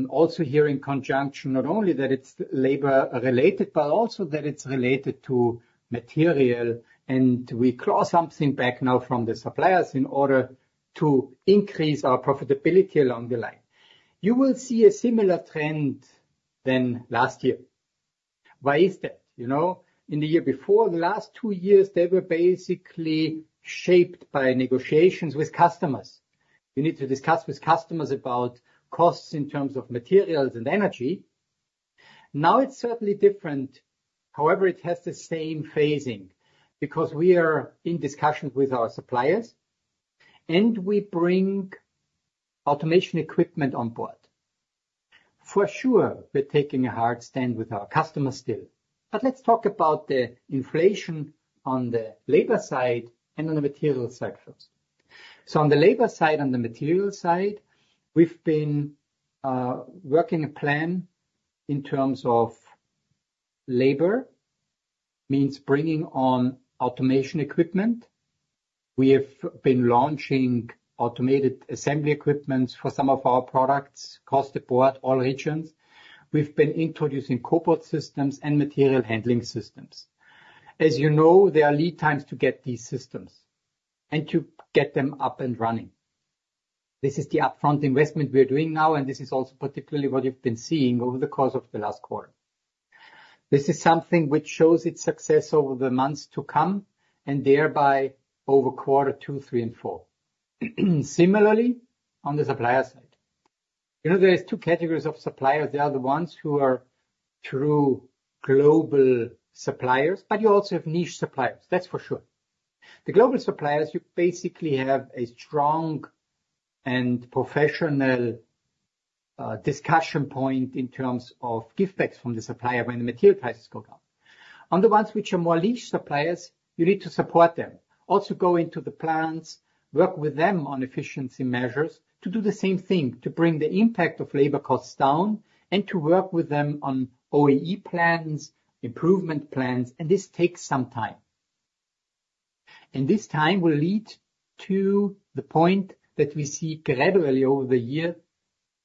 also here in conjunction, not only that it's labor-related, but also that it's related to material, and we claw something back now from the suppliers in order to increase our profitability along the line. You will see a similar trend than last year. Why is that? You know, in the year before, the last two years, they were basically shaped by negotiations with customers. You need to discuss with customers about costs in terms of materials and energy. Now, it's certainly different, however, it has the same phasing, because we are in discussions with our suppliers, and we bring automation equipment on board. For sure, we're taking a hard stand with our customers still. But let's talk about the inflation on the labor side and on the material side first. So on the labor side and the material side, we've been working a plan in terms of labor, means bringing on automation equipment. We have been launching automated assembly equipments for some of our products across the board, all regions. We've been introducing corporate systems and material handling systems. As you know, there are lead times to get these systems and to get them up and running. This is the upfront investment we are doing now, and this is also particularly what you've been seeing over the course of the last quarter. This is something which shows its success over the months to come, and thereby over quarter two, three, and four. Similarly, on the supplier side, you know, there is two categories of suppliers. There are the ones who are true global suppliers, but you also have niche suppliers, that's for sure. The global suppliers, you basically have a strong and professional discussion point in terms of givebacks from the supplier when the material prices go down. On the ones which are more niche suppliers, you need to support them. Also, go into the plants, work with them on efficiency measures to do the same thing, to bring the impact of labor costs down, and to work with them on OEE plans, improvement plans, and this takes some time. And this time will lead to the point that we see gradually over the year,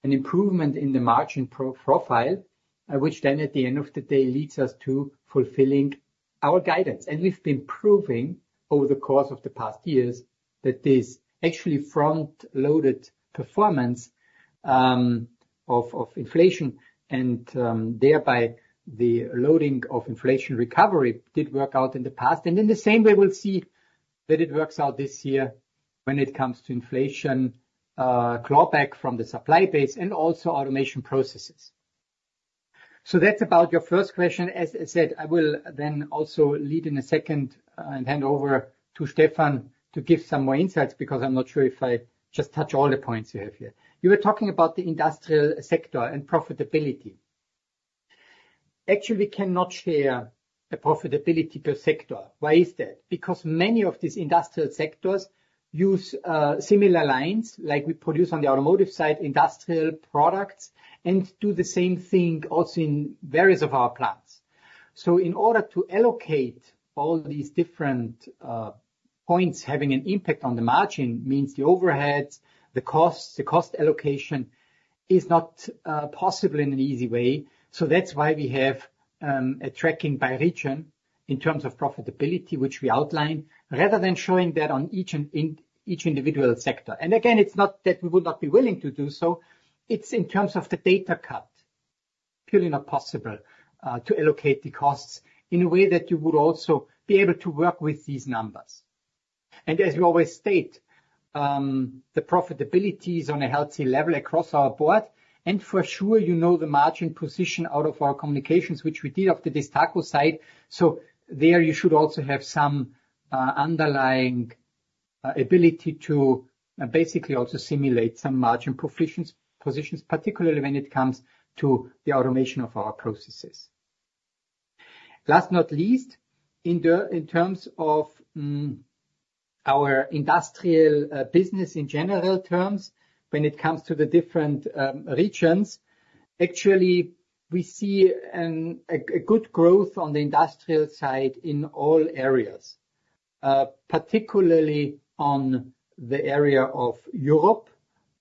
an improvement in the margin profile, which then, at the end of the day, leads us to fulfilling our guidance. We've been proving over the course of the past years, that this actually front-loaded performance of inflation and thereby the loading of inflation recovery did work out in the past. And in the same way, we'll see that it works out this year when it comes to inflation, clawback from the supply base and also automation processes. So that's about your first question. As I said, I will then also lead in a second, and hand over to Stefan to give some more insights, because I'm not sure if I just touch all the points you have here. You were talking about the industrial sector and profitability. Actually, we cannot share the profitability per sector. Why is that? Because many of these industrial sectors use similar lines, like we produce on the automotive side, industrial products, and do the same thing also in various of our plants. In order to allocate all these different points having an impact on the margin, the overheads, the costs, the cost allocation is not possible in an easy way. That's why we have a tracking by region in terms of profitability, which we outline, rather than showing that on each in each individual sector. Again, it's not that we would not be willing to do so. It's in terms of the data cut, purely not possible to allocate the costs in a way that you would also be able to work with these numbers. And as we always state, the profitability is on a healthy level across our board, and for sure, you know the margin position out of our communications, which we did of the DESTACO side. So there, you should also have some underlying ability to basically also simulate some margin positions, particularly when it comes to the automation of our processes. Last but not least, in terms of our industrial business in general terms, when it comes to the different regions, actually, we see a good growth on the industrial side in all areas, particularly on the area of Europe,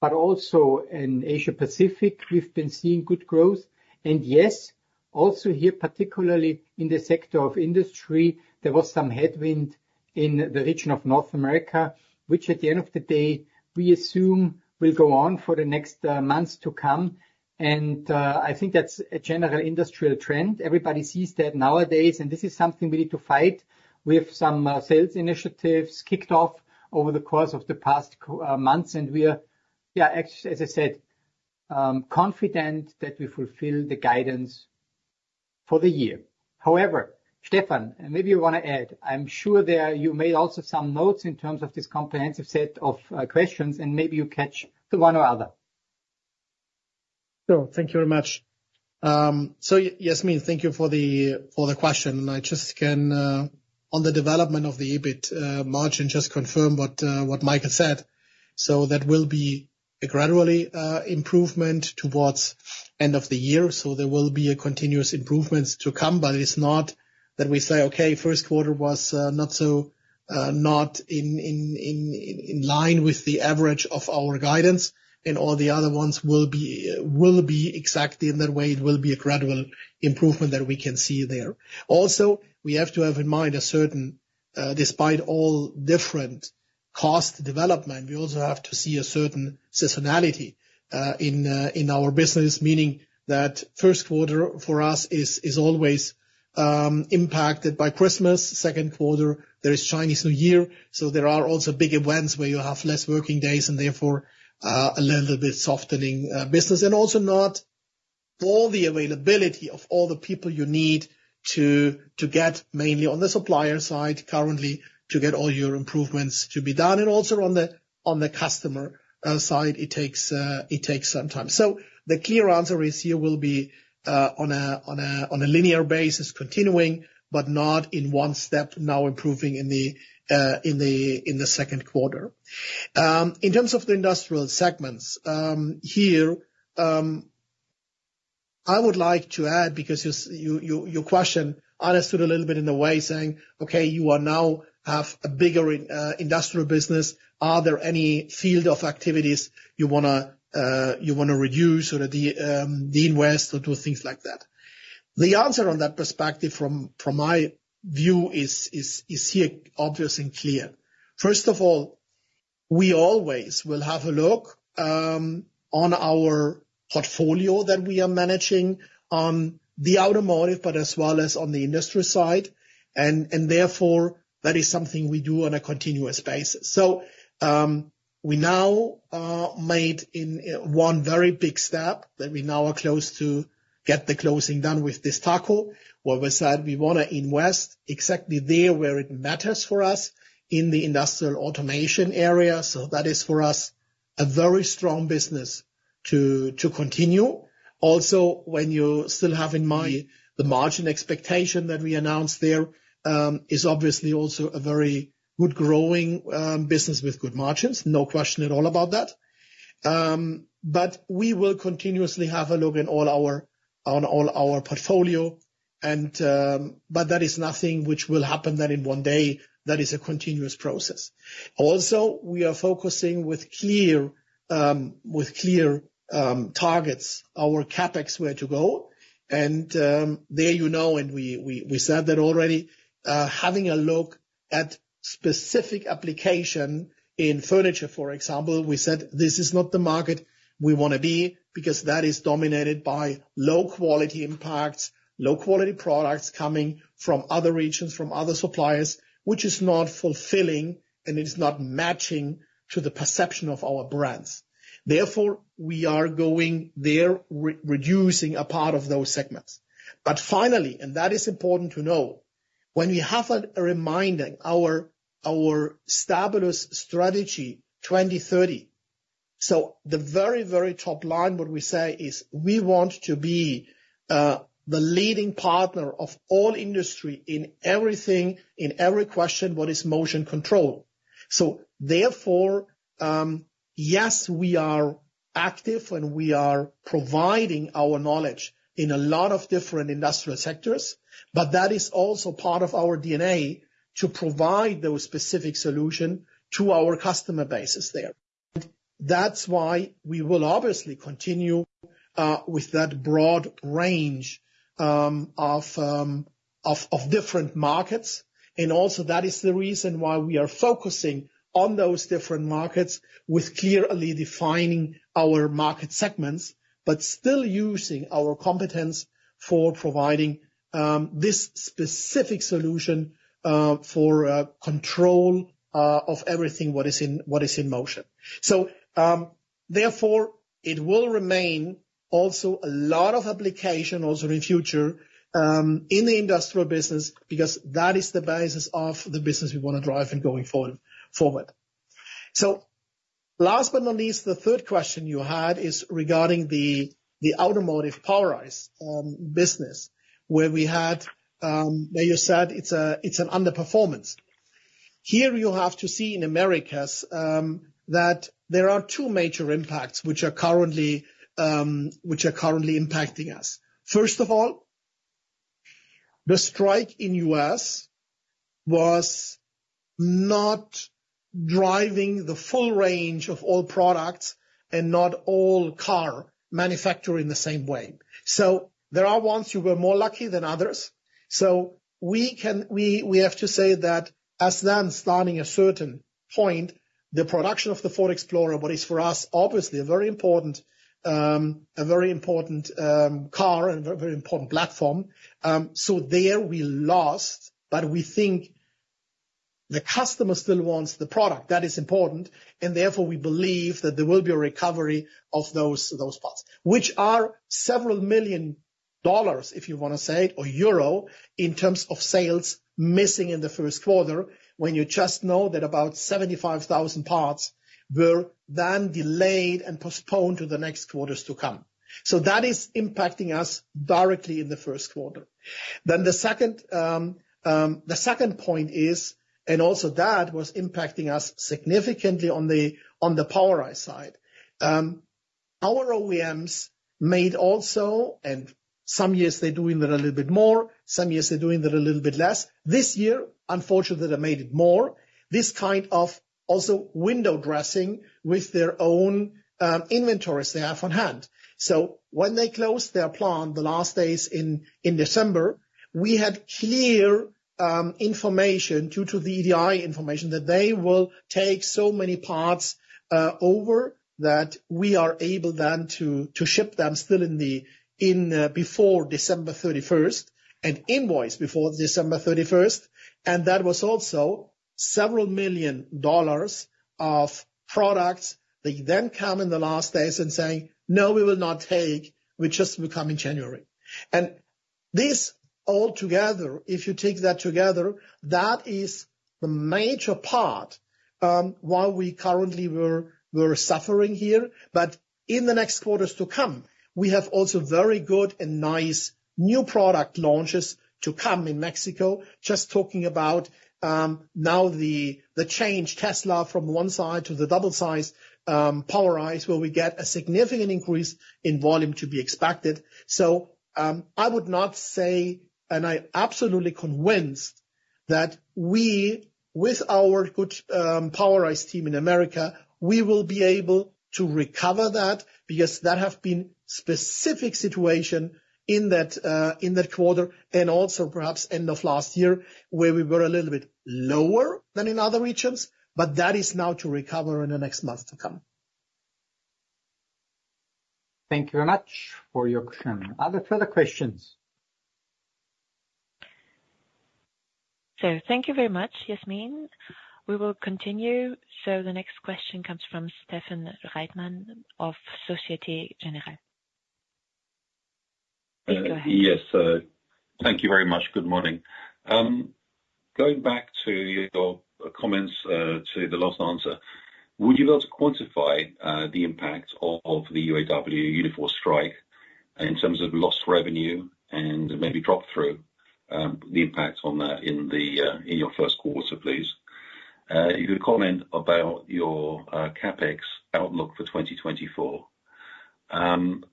but also in Asia Pacific, we've been seeing good growth. Yes, also here, particularly in the sector of industry, there was some headwind in the region of North America, which at the end of the day, we assume will go on for the next months to come, and I think that's a general industrial trend. Everybody sees that nowadays, and this is something we need to fight. We have some sales initiatives kicked off over the course of the past months, and we are, yeah, as I said, confident that we fulfill the guidance for the year. However, Stefan, and maybe you want to add, I'm sure there you made also some notes in terms of this comprehensive set of questions, and maybe you catch the one or other. Sure. Thank you very much. So Yasmin, thank you for the, for the question. I just can, on the development of the EBIT margin, just confirm what, what Mike has said. So that will be a gradually, improvement towards end of the year. So there will be a continuous improvements to come, but it's not that we say, "Okay, first quarter was, not so, not in line with the average of our guidance," and all the other ones will be, will be exactly in that way. It will be a gradual improvement that we can see there. Also, we have to have in mind a certain, despite all different cost development, we also have to see a certain seasonality, in our business. Meaning that first quarter for us is always, impacted by Christmas. Second quarter, there is Chinese New Year, so there are also big events where you have less working days and therefore, a little bit softening business. And also all the availability of all the people you need to get mainly on the supplier side currently, to get all your improvements to be done, and also on the customer side, it takes some time. So the clear answer is you will be on a linear basis, continuing, but not in one step, now improving in the second quarter. In terms of the industrial segments, here, I would like to add, because you understood your question a little bit in the way, saying: Okay, you are now have a bigger industrial business. Are there any field of activities you wanna reduce or de-invest or do things like that? The answer on that perspective from my view is here obvious and clear. First of all, we always will have a look on our portfolio that we are managing on the automotive, but as well as on the industry side, and therefore, that is something we do on a continuous basis. So, we now are made in one very big step, that we now are close to get the closing done with DESTACO, where we said we wanna invest exactly there where it matters for us in the industrial automation area. So that is, for us, a very strong business to continue. When you still have in mind the margin expectation that we announced there is obviously also a very good growing business with good margins. No question at all about that. But we will continuously have a look on all our portfolio, but that is nothing which will happen then in one day. That is a continuous process. We are focusing with clear targets, our CapEx, where to go, and there you know, and we said that already, having a look at specific application in furniture, for example, we said this is not the market we wanna be, because that is dominated by low-quality impacts, low-quality products coming from other regions, from other suppliers, which is not fulfilling, and it is not matching to the perception of our brands. Therefore, we are going there, reducing a part of those segments. But finally, and that is important to know, when we have a reminder of our Stabilus strategy 2030. So the very, very top line, what we say is: We want to be the leading partner of all industry in everything, in every question, what is motion control? So therefore, yes, we are active, and we are providing our knowledge in a lot of different industrial sectors, but that is also part of our DNA, to provide those specific solution to our customer bases there. That's why we will obviously continue with that broad range of different markets. Also, that is the reason why we are focusing on those different markets with clearly defining our market segments, but still using our competence for providing this specific solution for control of everything what is in motion. So, therefore, it will remain also a lot of application also in future in the industrial business, because that is the basis of the business we wanna drive and going forward. So last but not least, the third question you had is regarding the automotive Powerise business, where you said it's an underperformance. Here, you have to see in Americas that there are two major impacts, which are currently impacting us. First of all, the strike in U.S. was not driving the full range of all products and not all car manufacture in the same way. So there are ones who were more lucky than others. So we have to say that as then starting a certain point, the production of the Ford Explorer, what is for us, obviously, a very important, a very important, car and very important platform. So there we lost, but we think the customer still wants the product. That is important, and therefore, we believe that there will be a recovery of those parts, which are several million dollars, if you wanna say, or euro, in terms of sales missing in the first quarter, when you just know that about 75,000 parts were then delayed and postponed to the next quarters to come. So that is impacting us directly in the first quarter. Then the second point is, and also that was impacting us significantly on the Powerise side. Our OEMs made also, and some years they're doing it a little bit more, some years they're doing it a little bit less. This year, unfortunately, they made it more. This kind of also window dressing with their own inventories they have on hand. So when they closed their plant, the last days in December, we had clear information due to the EDI information, that they will take so many parts over, that we are able then to ship them still before December thirty-first, and invoice before December thirty-first. And that was also- $several million of products, they then come in the last days and say, "No, we will not take, we just will come in January." And this all together, if you take that together, that is the major part why we currently we're suffering here. But in the next quarters to come, we have also very good and nice new product launches to come in Mexico. Just talking about now the change Tesla from one side to the double size, Powerise, where we get a significant increase in volume to be expected. So, I would not say, and I absolutely convinced, that we, with our good, Powerise team in America, we will be able to recover that, because that have been specific situation in that, in that quarter, and also perhaps end of last year, where we were a little bit lower than in other regions, but that is now to recover in the next months to come. Thank you very much for your question. Are there further questions? Thank you very much, Yasmin. We will continue. The next question comes from Stephen Reitman of Société Générale. Please go ahead. Yes, thank you very much. Good morning. Going back to your comments, to the last answer, would you be able to quantify the impact of the UAW Unifor strike in terms of lost revenue and maybe drop through the impact on that in the in your first quarter, please? If you could comment about your CapEx outlook for 2024. And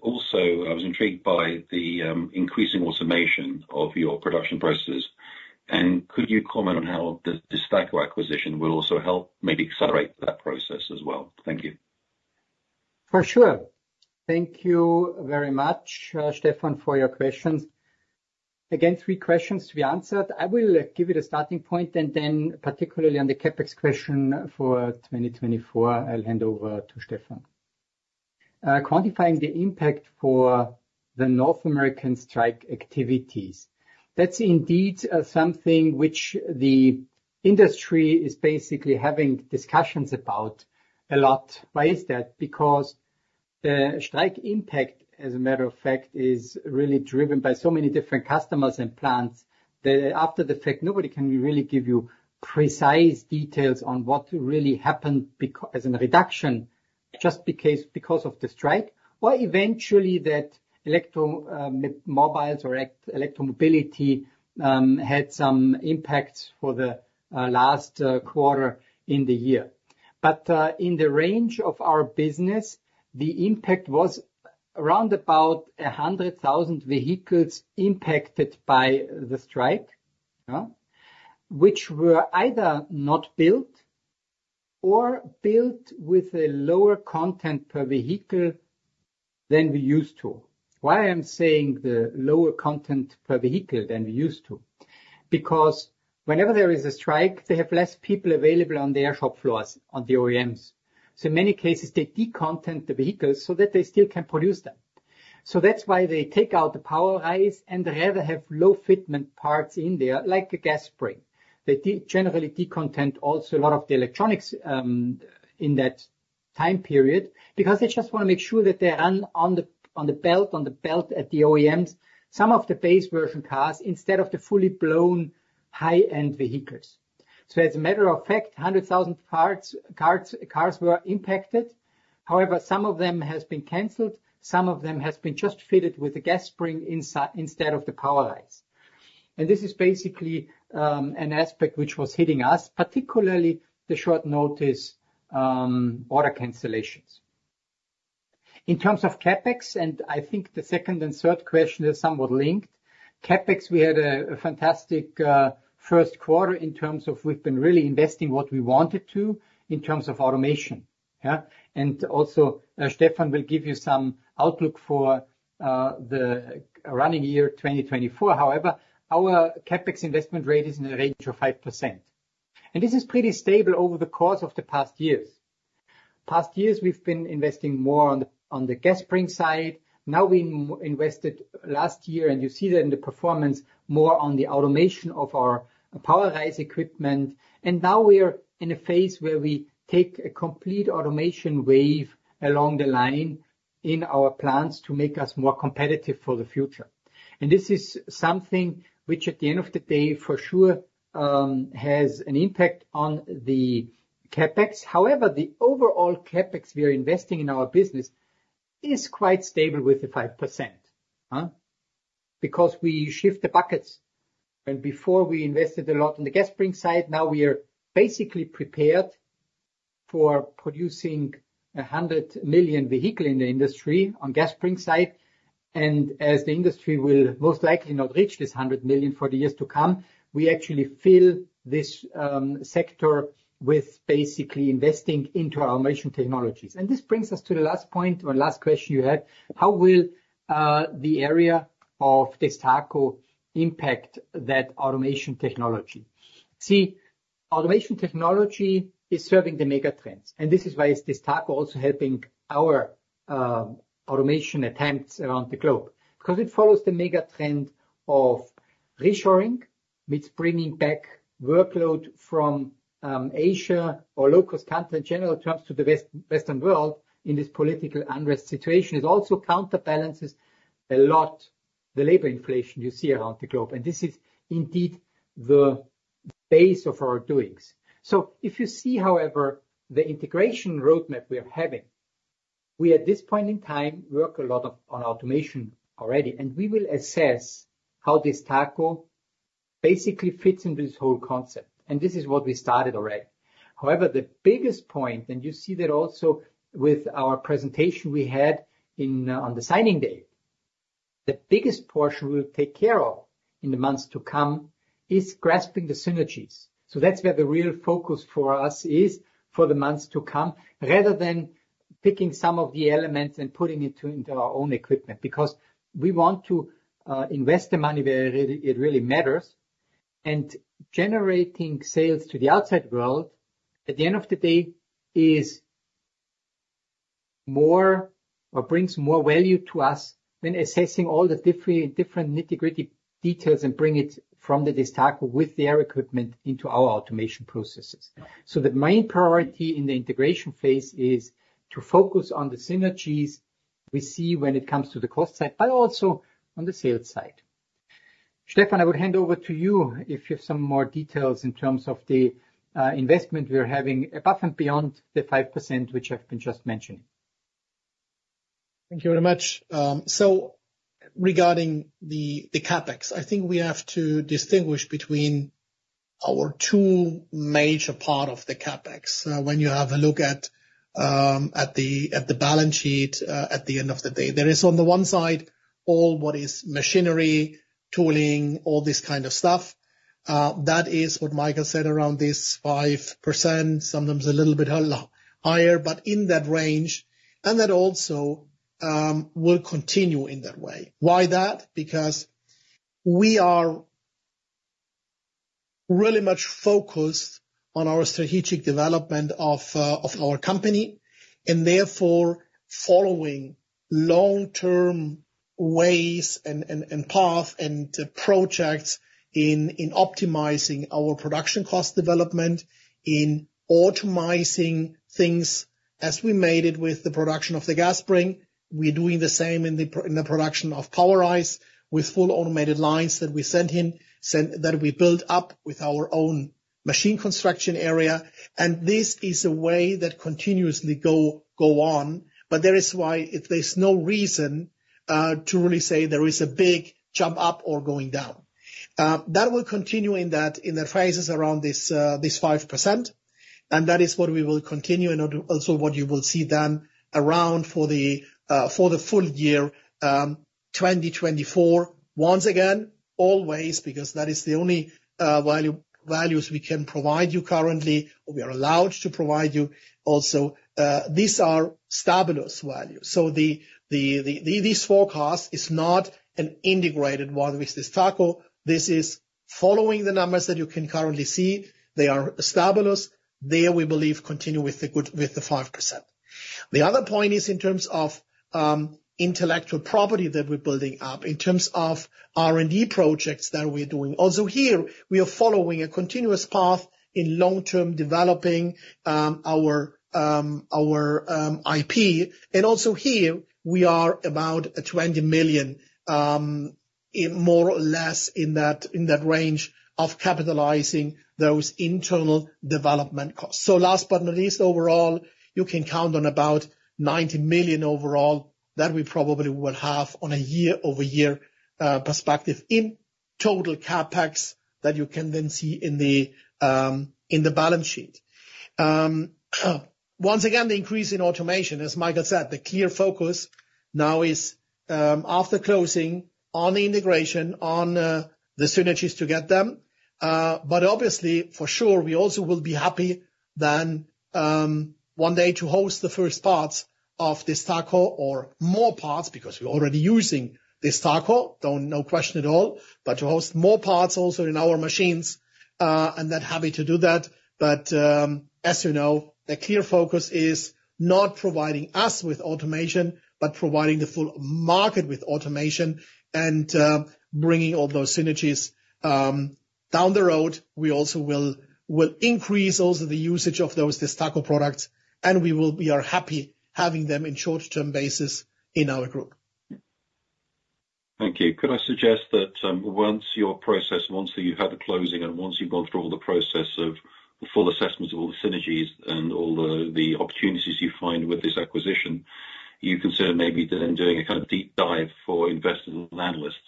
also, I was intrigued by the increasing automation of your production processes, and could you comment on how the DESTACO acquisition will also help maybe accelerate that process as well? Thank you. For sure. Thank you very much, Stefan, for your questions. Again, 3 questions to be answered. I will give you the starting point, and then particularly on the CapEx question for 2024, I'll hand over to Stefan. Quantifying the impact for the North American strike activities, that's indeed something which the industry is basically having discussions about a lot. Why is that? Because the strike impact, as a matter of fact, is really driven by so many different customers and plants, that after the fact, nobody can really give you precise details on what really happened as a reduction just because of the strike, or eventually that electromobiles or electromobility had some impacts for the last quarter in the year. But, in the range of our business, the impact was around about 100,000 vehicles impacted by the strike, yeah? Which were either not built or built with a lower content per vehicle than we're used to. Why I'm saying the lower content per vehicle than we're used to? Because whenever there is a strike, they have less people available on their shop floors, on the OEMs. So in many cases, they decontent the vehicles so that they still can produce them. So that's why they take out the Powerise and rather have low fitment parts in there, like a gas spring. They generally decontent also a lot of the electronics in that time period, because they just wanna make sure that they're on the belt at the OEMs, some of the base version cars instead of the fully blown high-end vehicles. So as a matter of fact, 100,000 cars were impacted. However, some of them has been canceled, some of them has been just fitted with a gas spring instead of the Powerise. And this is basically an aspect which was hitting us, particularly the short notice order cancellations. In terms of CapEx, and I think the second and third question is somewhat linked. CapEx, we had a fantastic first quarter in terms of we've been really investing what we wanted to, in terms of automation, yeah? And also, Stefan will give you some outlook for the running year 2024. However, our CapEx investment rate is in a range of 5%, and this is pretty stable over the course of the past years. Past years, we've been investing more on the gas spring side. Now, we invested last year, and you see that in the performance, more on the automation of our Powerise equipment, and now we are in a phase where we take a complete automation wave along the line in our plants to make us more competitive for the future. And this is something which, at the end of the day, for sure, has an impact on the CapEx. However, the overall CapEx we are investing in our business is quite stable with the 5%. Because we shift the buckets, and before we invested a lot in the gas spring side, now we are basically prepared for producing 100 million vehicles in the industry on gas spring side. And as the industry will most likely not reach this 100 million for the years to come, we actually fill this sector with basically investing into our automation technologies. And this brings us to the last point or last question you had: How will the area of DESTACO impact that automation technology? See, automation technology is serving the mega trends, and this is why DESTACO also helping our automation attempts around the globe, 'cause it follows the mega trend of reshoring, which bringing back workload from Asia or low-cost country in general terms to the Western world in this political unrest situation. It also counterbalances a lot of the labor inflation you see around the globe, and this is indeed the base of our doings. So if you see, however, the integration roadmap we are having, we at this point in time work a lot of on automation already. We will assess how this Destaco basically fits into this whole concept, and this is what we started already. However, the biggest point, and you see that also with our presentation we had in on the signing day. The biggest portion we'll take care of in the months to come is grasping the synergies. So that's where the real focus for us is for the months to come, rather than picking some of the elements and putting it into our own equipment. Because we want to invest the money where it really, it really matters, and generating sales to the outside world, at the end of the day, is more or brings more value to us, than assessing all the different nitty-gritty details and bring it from the DESTACO with their equipment into our automation processes. So the main priority in the integration phase is to focus on the synergies we see when it comes to the cost side, but also on the sales side. Stefan, I would hand over to you if you have some more details in terms of the investment we are having above and beyond the 5%, which I've been just mentioning. Thank you very much. So regarding the CapEx, I think we have to distinguish between our two major part of the CapEx. When you have a look at the balance sheet at the end of the day. There is, on the one side, all what is machinery, tooling, all this kind of stuff, that is what Michael said around this 5%, sometimes a little bit higher, but in that range, and that also will continue in that way. Why that? Because we are really much focused on our strategic development of our company, and therefore, following long-term ways and path and projects in optimizing our production cost development, in automating things, as we made it with the production of the gas spring. We're doing the same in the production of Powerise, with full automated lines that we send, that we build up with our own machine construction area. And this is a way that continuously go on, but there's no reason to really say there is a big jump up or going down. That will continue in that, in the phases around this 5%, and that is what we will continue, and also what you will see then around for the full year 2024. Once again, always, because that is the only values we can provide you currently, or we are allowed to provide you. Also, these are Stabilus values. So these forecasts is not an integrated one with DESTACO. This is following the numbers that you can currently see. They are Stabilus. There, we believe, continue with the good, with the 5%. The other point is in terms of, intellectual property that we're building up, in terms of R&D projects that we're doing. Also here, we are following a continuous path in long-term developing, our IP. And also here, we are about 20 million, in more or less in that range of capitalizing those internal development costs. So last but not least, overall, you can count on about 90 million overall, that we probably will have on a year-over-year perspective in total CapEx, that you can then see in the balance sheet. Once again, the increase in automation, as Michael said, the clear focus now is, after closing on the integration, on the synergies to get them. But obviously, for sure, we also will be happy then, one day to host the first parts of DESTACO or more parts, because we're already using DESTACO, no question at all, but to host more parts also in our machines, and then happy to do that. But, as you know, the clear focus is not providing us with automation, but providing the full market with automation and, bringing all those synergies, down the road. We also will increase also the usage of those DESTACO products, and we are happy having them in short-term basis in our group. Thank you. Could I suggest that, once your process, once you've had the closing, and once you've gone through all the process of the full assessment of all the synergies and all the opportunities you find with this acquisition, you consider maybe then doing a kind of deep dive for investment analysts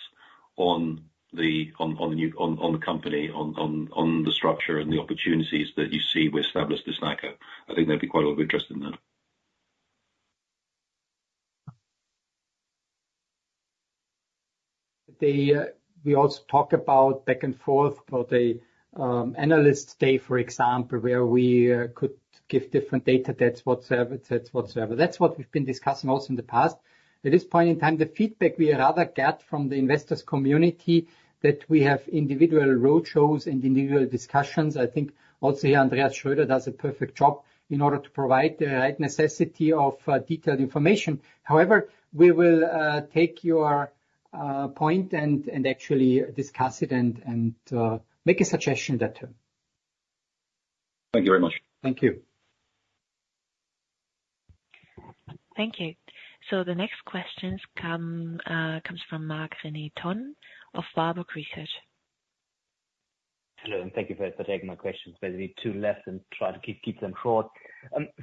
on the new company, on the structure and the opportunities that you see with Stabilus DESTACO? I think there'd be quite a lot of interest in that. We also talk about back and forth, about a analyst day, for example, where we could give different data. That's what's, that's whatsoever. That's what we've been discussing also in the past.... At this point in time, the feedback we rather get from the investors community, that we have individual roadshows, individual discussions. I think also here, Andreas Schröder does a perfect job in order to provide the right necessity of detailed information. However, we will take your point and make a suggestion that too. Thank you very much. Thank you. Thank you. So the next questions comes from Marc-René Tonn of Warburg Research. Hello, and thank you for taking my questions. Maybe two left, and try to keep them short.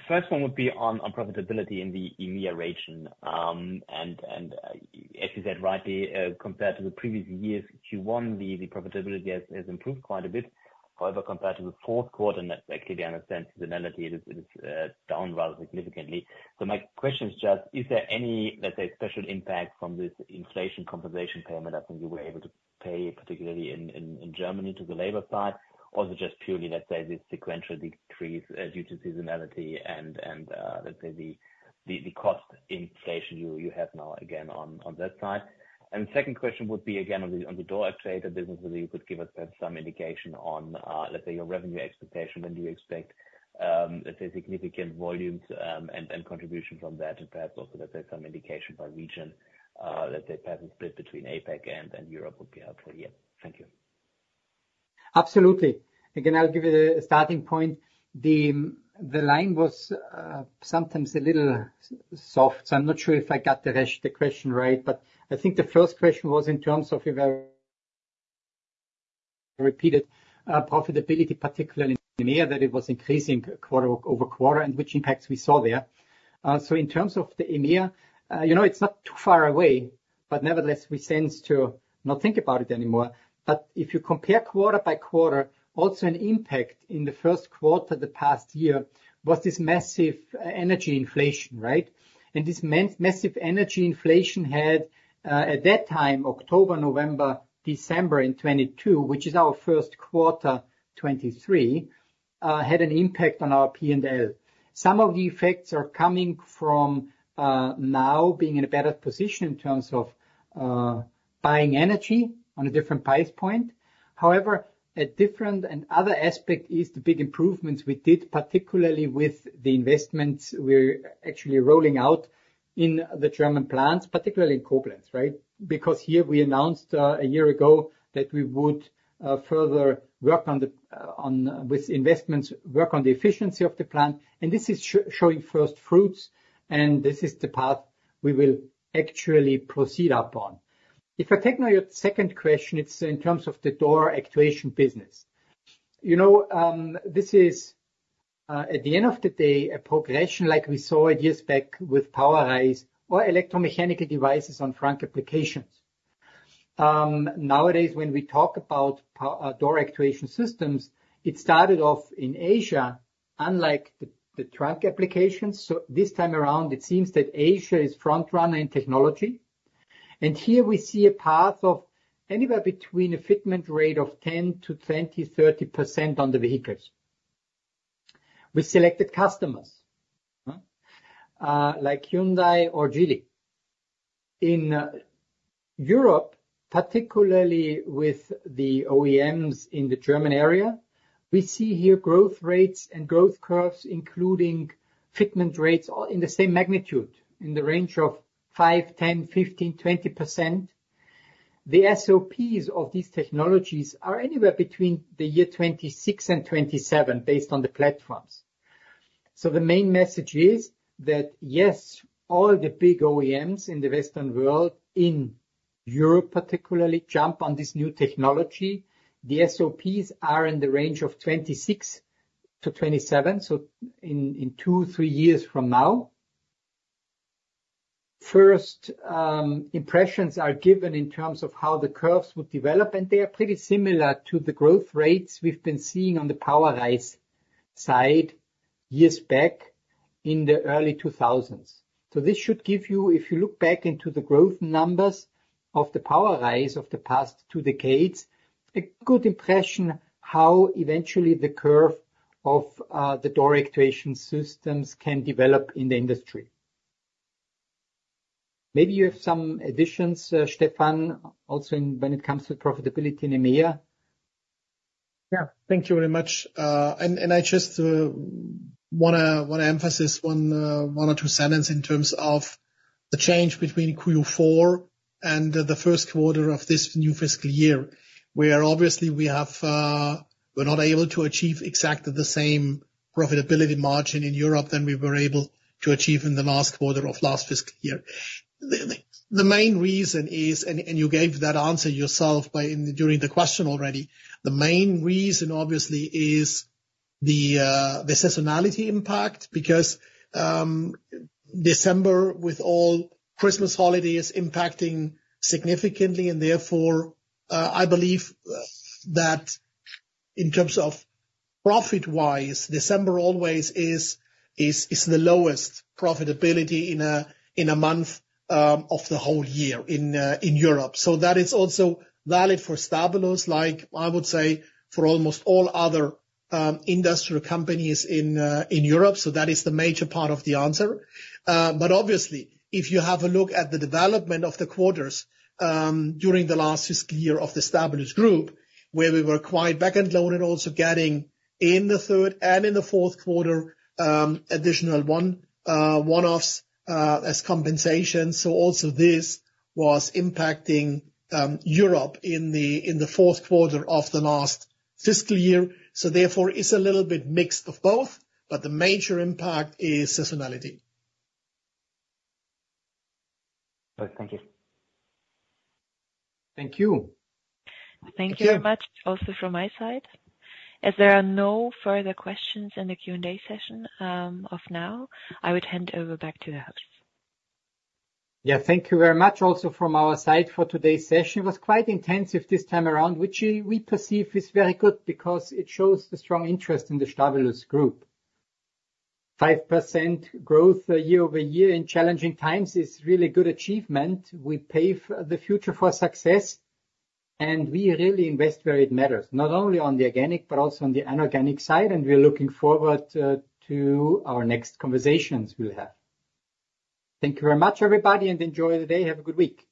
First one would be on profitability in the EMEA region. And as you said rightly, compared to the previous years, Q1, the profitability has improved quite a bit. However, compared to the fourth quarter, and actually I understand seasonality, it is down rather significantly. So my question is just, is there any, let's say, special impact from this inflation compensation payment that you were able to pay, particularly in Germany, to the labor side? Or is it just purely, let's say, the sequential decrease due to seasonality and let's say the cost inflation you have now again, on that side? Second question would be again, on the door trade, if you really would give us some indication on your revenue expectation. When do you expect significant volumes and contribution from that, and perhaps also some indication by region, let's say, perhaps a split between APAC and then Europe would be helpful. Yeah. Thank you. Absolutely. Again, I'll give you the starting point. The line was sometimes a little soft, so I'm not sure if I got the rest of the question right. But I think the first question was in terms of evaluating repeated profitability, particularly in EMEA, that it was increasing quarter-over-quarter, and which impacts we saw there. So in terms of EMEA, you know, it's not too far away, but nevertheless, we tend to not think about it anymore. But if you compare quarter-by-quarter, also an impact in the first quarter of the past year was this massive energy inflation, right? And this massive energy inflation had at that time, October, November, December in 2022, which is our first quarter 2023, had an impact on our P&L. Some of the effects are coming from, now being in a better position in terms of, buying energy on a different price point. However, a different and other aspect is the big improvements we did, particularly with the investments we're actually rolling out in the German plants, particularly in Koblenz, right? Because here we announced, a year ago that we would, further work on the, on, with investments, work on the efficiency of the plant, and this is showing first fruits, and this is the path we will actually proceed upon. If I take now your second question, it's in terms of the door actuation business. You know, this is, at the end of the day, a progression like we saw years back with Powerise or electromechanical devices on trunk applications. Nowadays, when we talk about door actuation systems, it started off in Asia, unlike the trunk applications. So this time around, it seems that Asia is front-runner in technology. And here we see a path of anywhere between a fitment rate of 10%-20%, 30% on the vehicles. We selected customers like Hyundai or Geely. In Europe, particularly with the OEMs in the German area, we see here growth rates and growth curves, including fitment rates, all in the same magnitude, in the range of 5%, 10%, 15%, 20%. The SOPs of these technologies are anywhere between the year 2026 and 2027, based on the platforms. So the main message is that, yes, all the big OEMs in the Western world, in Europe particularly, jump on this new technology. The SOPs are in the range of 26-27, so in 2-3 years from now. First impressions are given in terms of how the curves would develop, and they are pretty similar to the growth rates we've been seeing on the Powerise side, years back in the early 2000s. So this should give you, if you look back into the growth numbers of the Powerise of the past two decades, a good impression how eventually the curve of the door actuation systems can develop in the industry. Maybe you have some additions, Stefan, also in when it comes to profitability in EMEA? Yeah, thank you very much. And I just wanna emphasize one or two sentences in terms of the change between Q4 and the first quarter of this new fiscal year. Where obviously we're not able to achieve exactly the same profitability margin in Europe than we were able to achieve in the last quarter of last fiscal year. The main reason is, and you gave that answer yourself by, in, during the question already. The main reason, obviously, is the seasonality impact, because December, with all Christmas holidays, impacting significantly and therefore I believe that in terms of profit-wise, December always is the lowest profitability in a month of the whole year in Europe. So that is also valid for Stabilus, like, I would say, for almost all other, industrial companies in Europe. So that is the major part of the answer. But obviously, if you have a look at the development of the quarters, during the last fiscal year of the Stabilus group, where we were quite back-end loaded, also getting in the third and in the fourth quarter, additional one, one-offs, as compensation. So also this was impacting, Europe in the fourth quarter of the last fiscal year. So therefore, it's a little bit mixed of both, but the major impact is seasonality. All right. Thank you. Thank you. Thank you very much, also from my side. As there are no further questions in the Q&A session, of now, I would hand over back to the host. Yeah, thank you very much also from our side for today's session. It was quite intensive this time around, which we perceive is very good because it shows the strong interest in the Stabilus Group. 5% growth year-over-year in challenging times is really good achievement. We pave the future for success, and we really invest where it matters, not only on the organic, but also on the inorganic side, and we're looking forward to our next conversations we'll have. Thank you very much, everybody, and enjoy the day. Have a good week!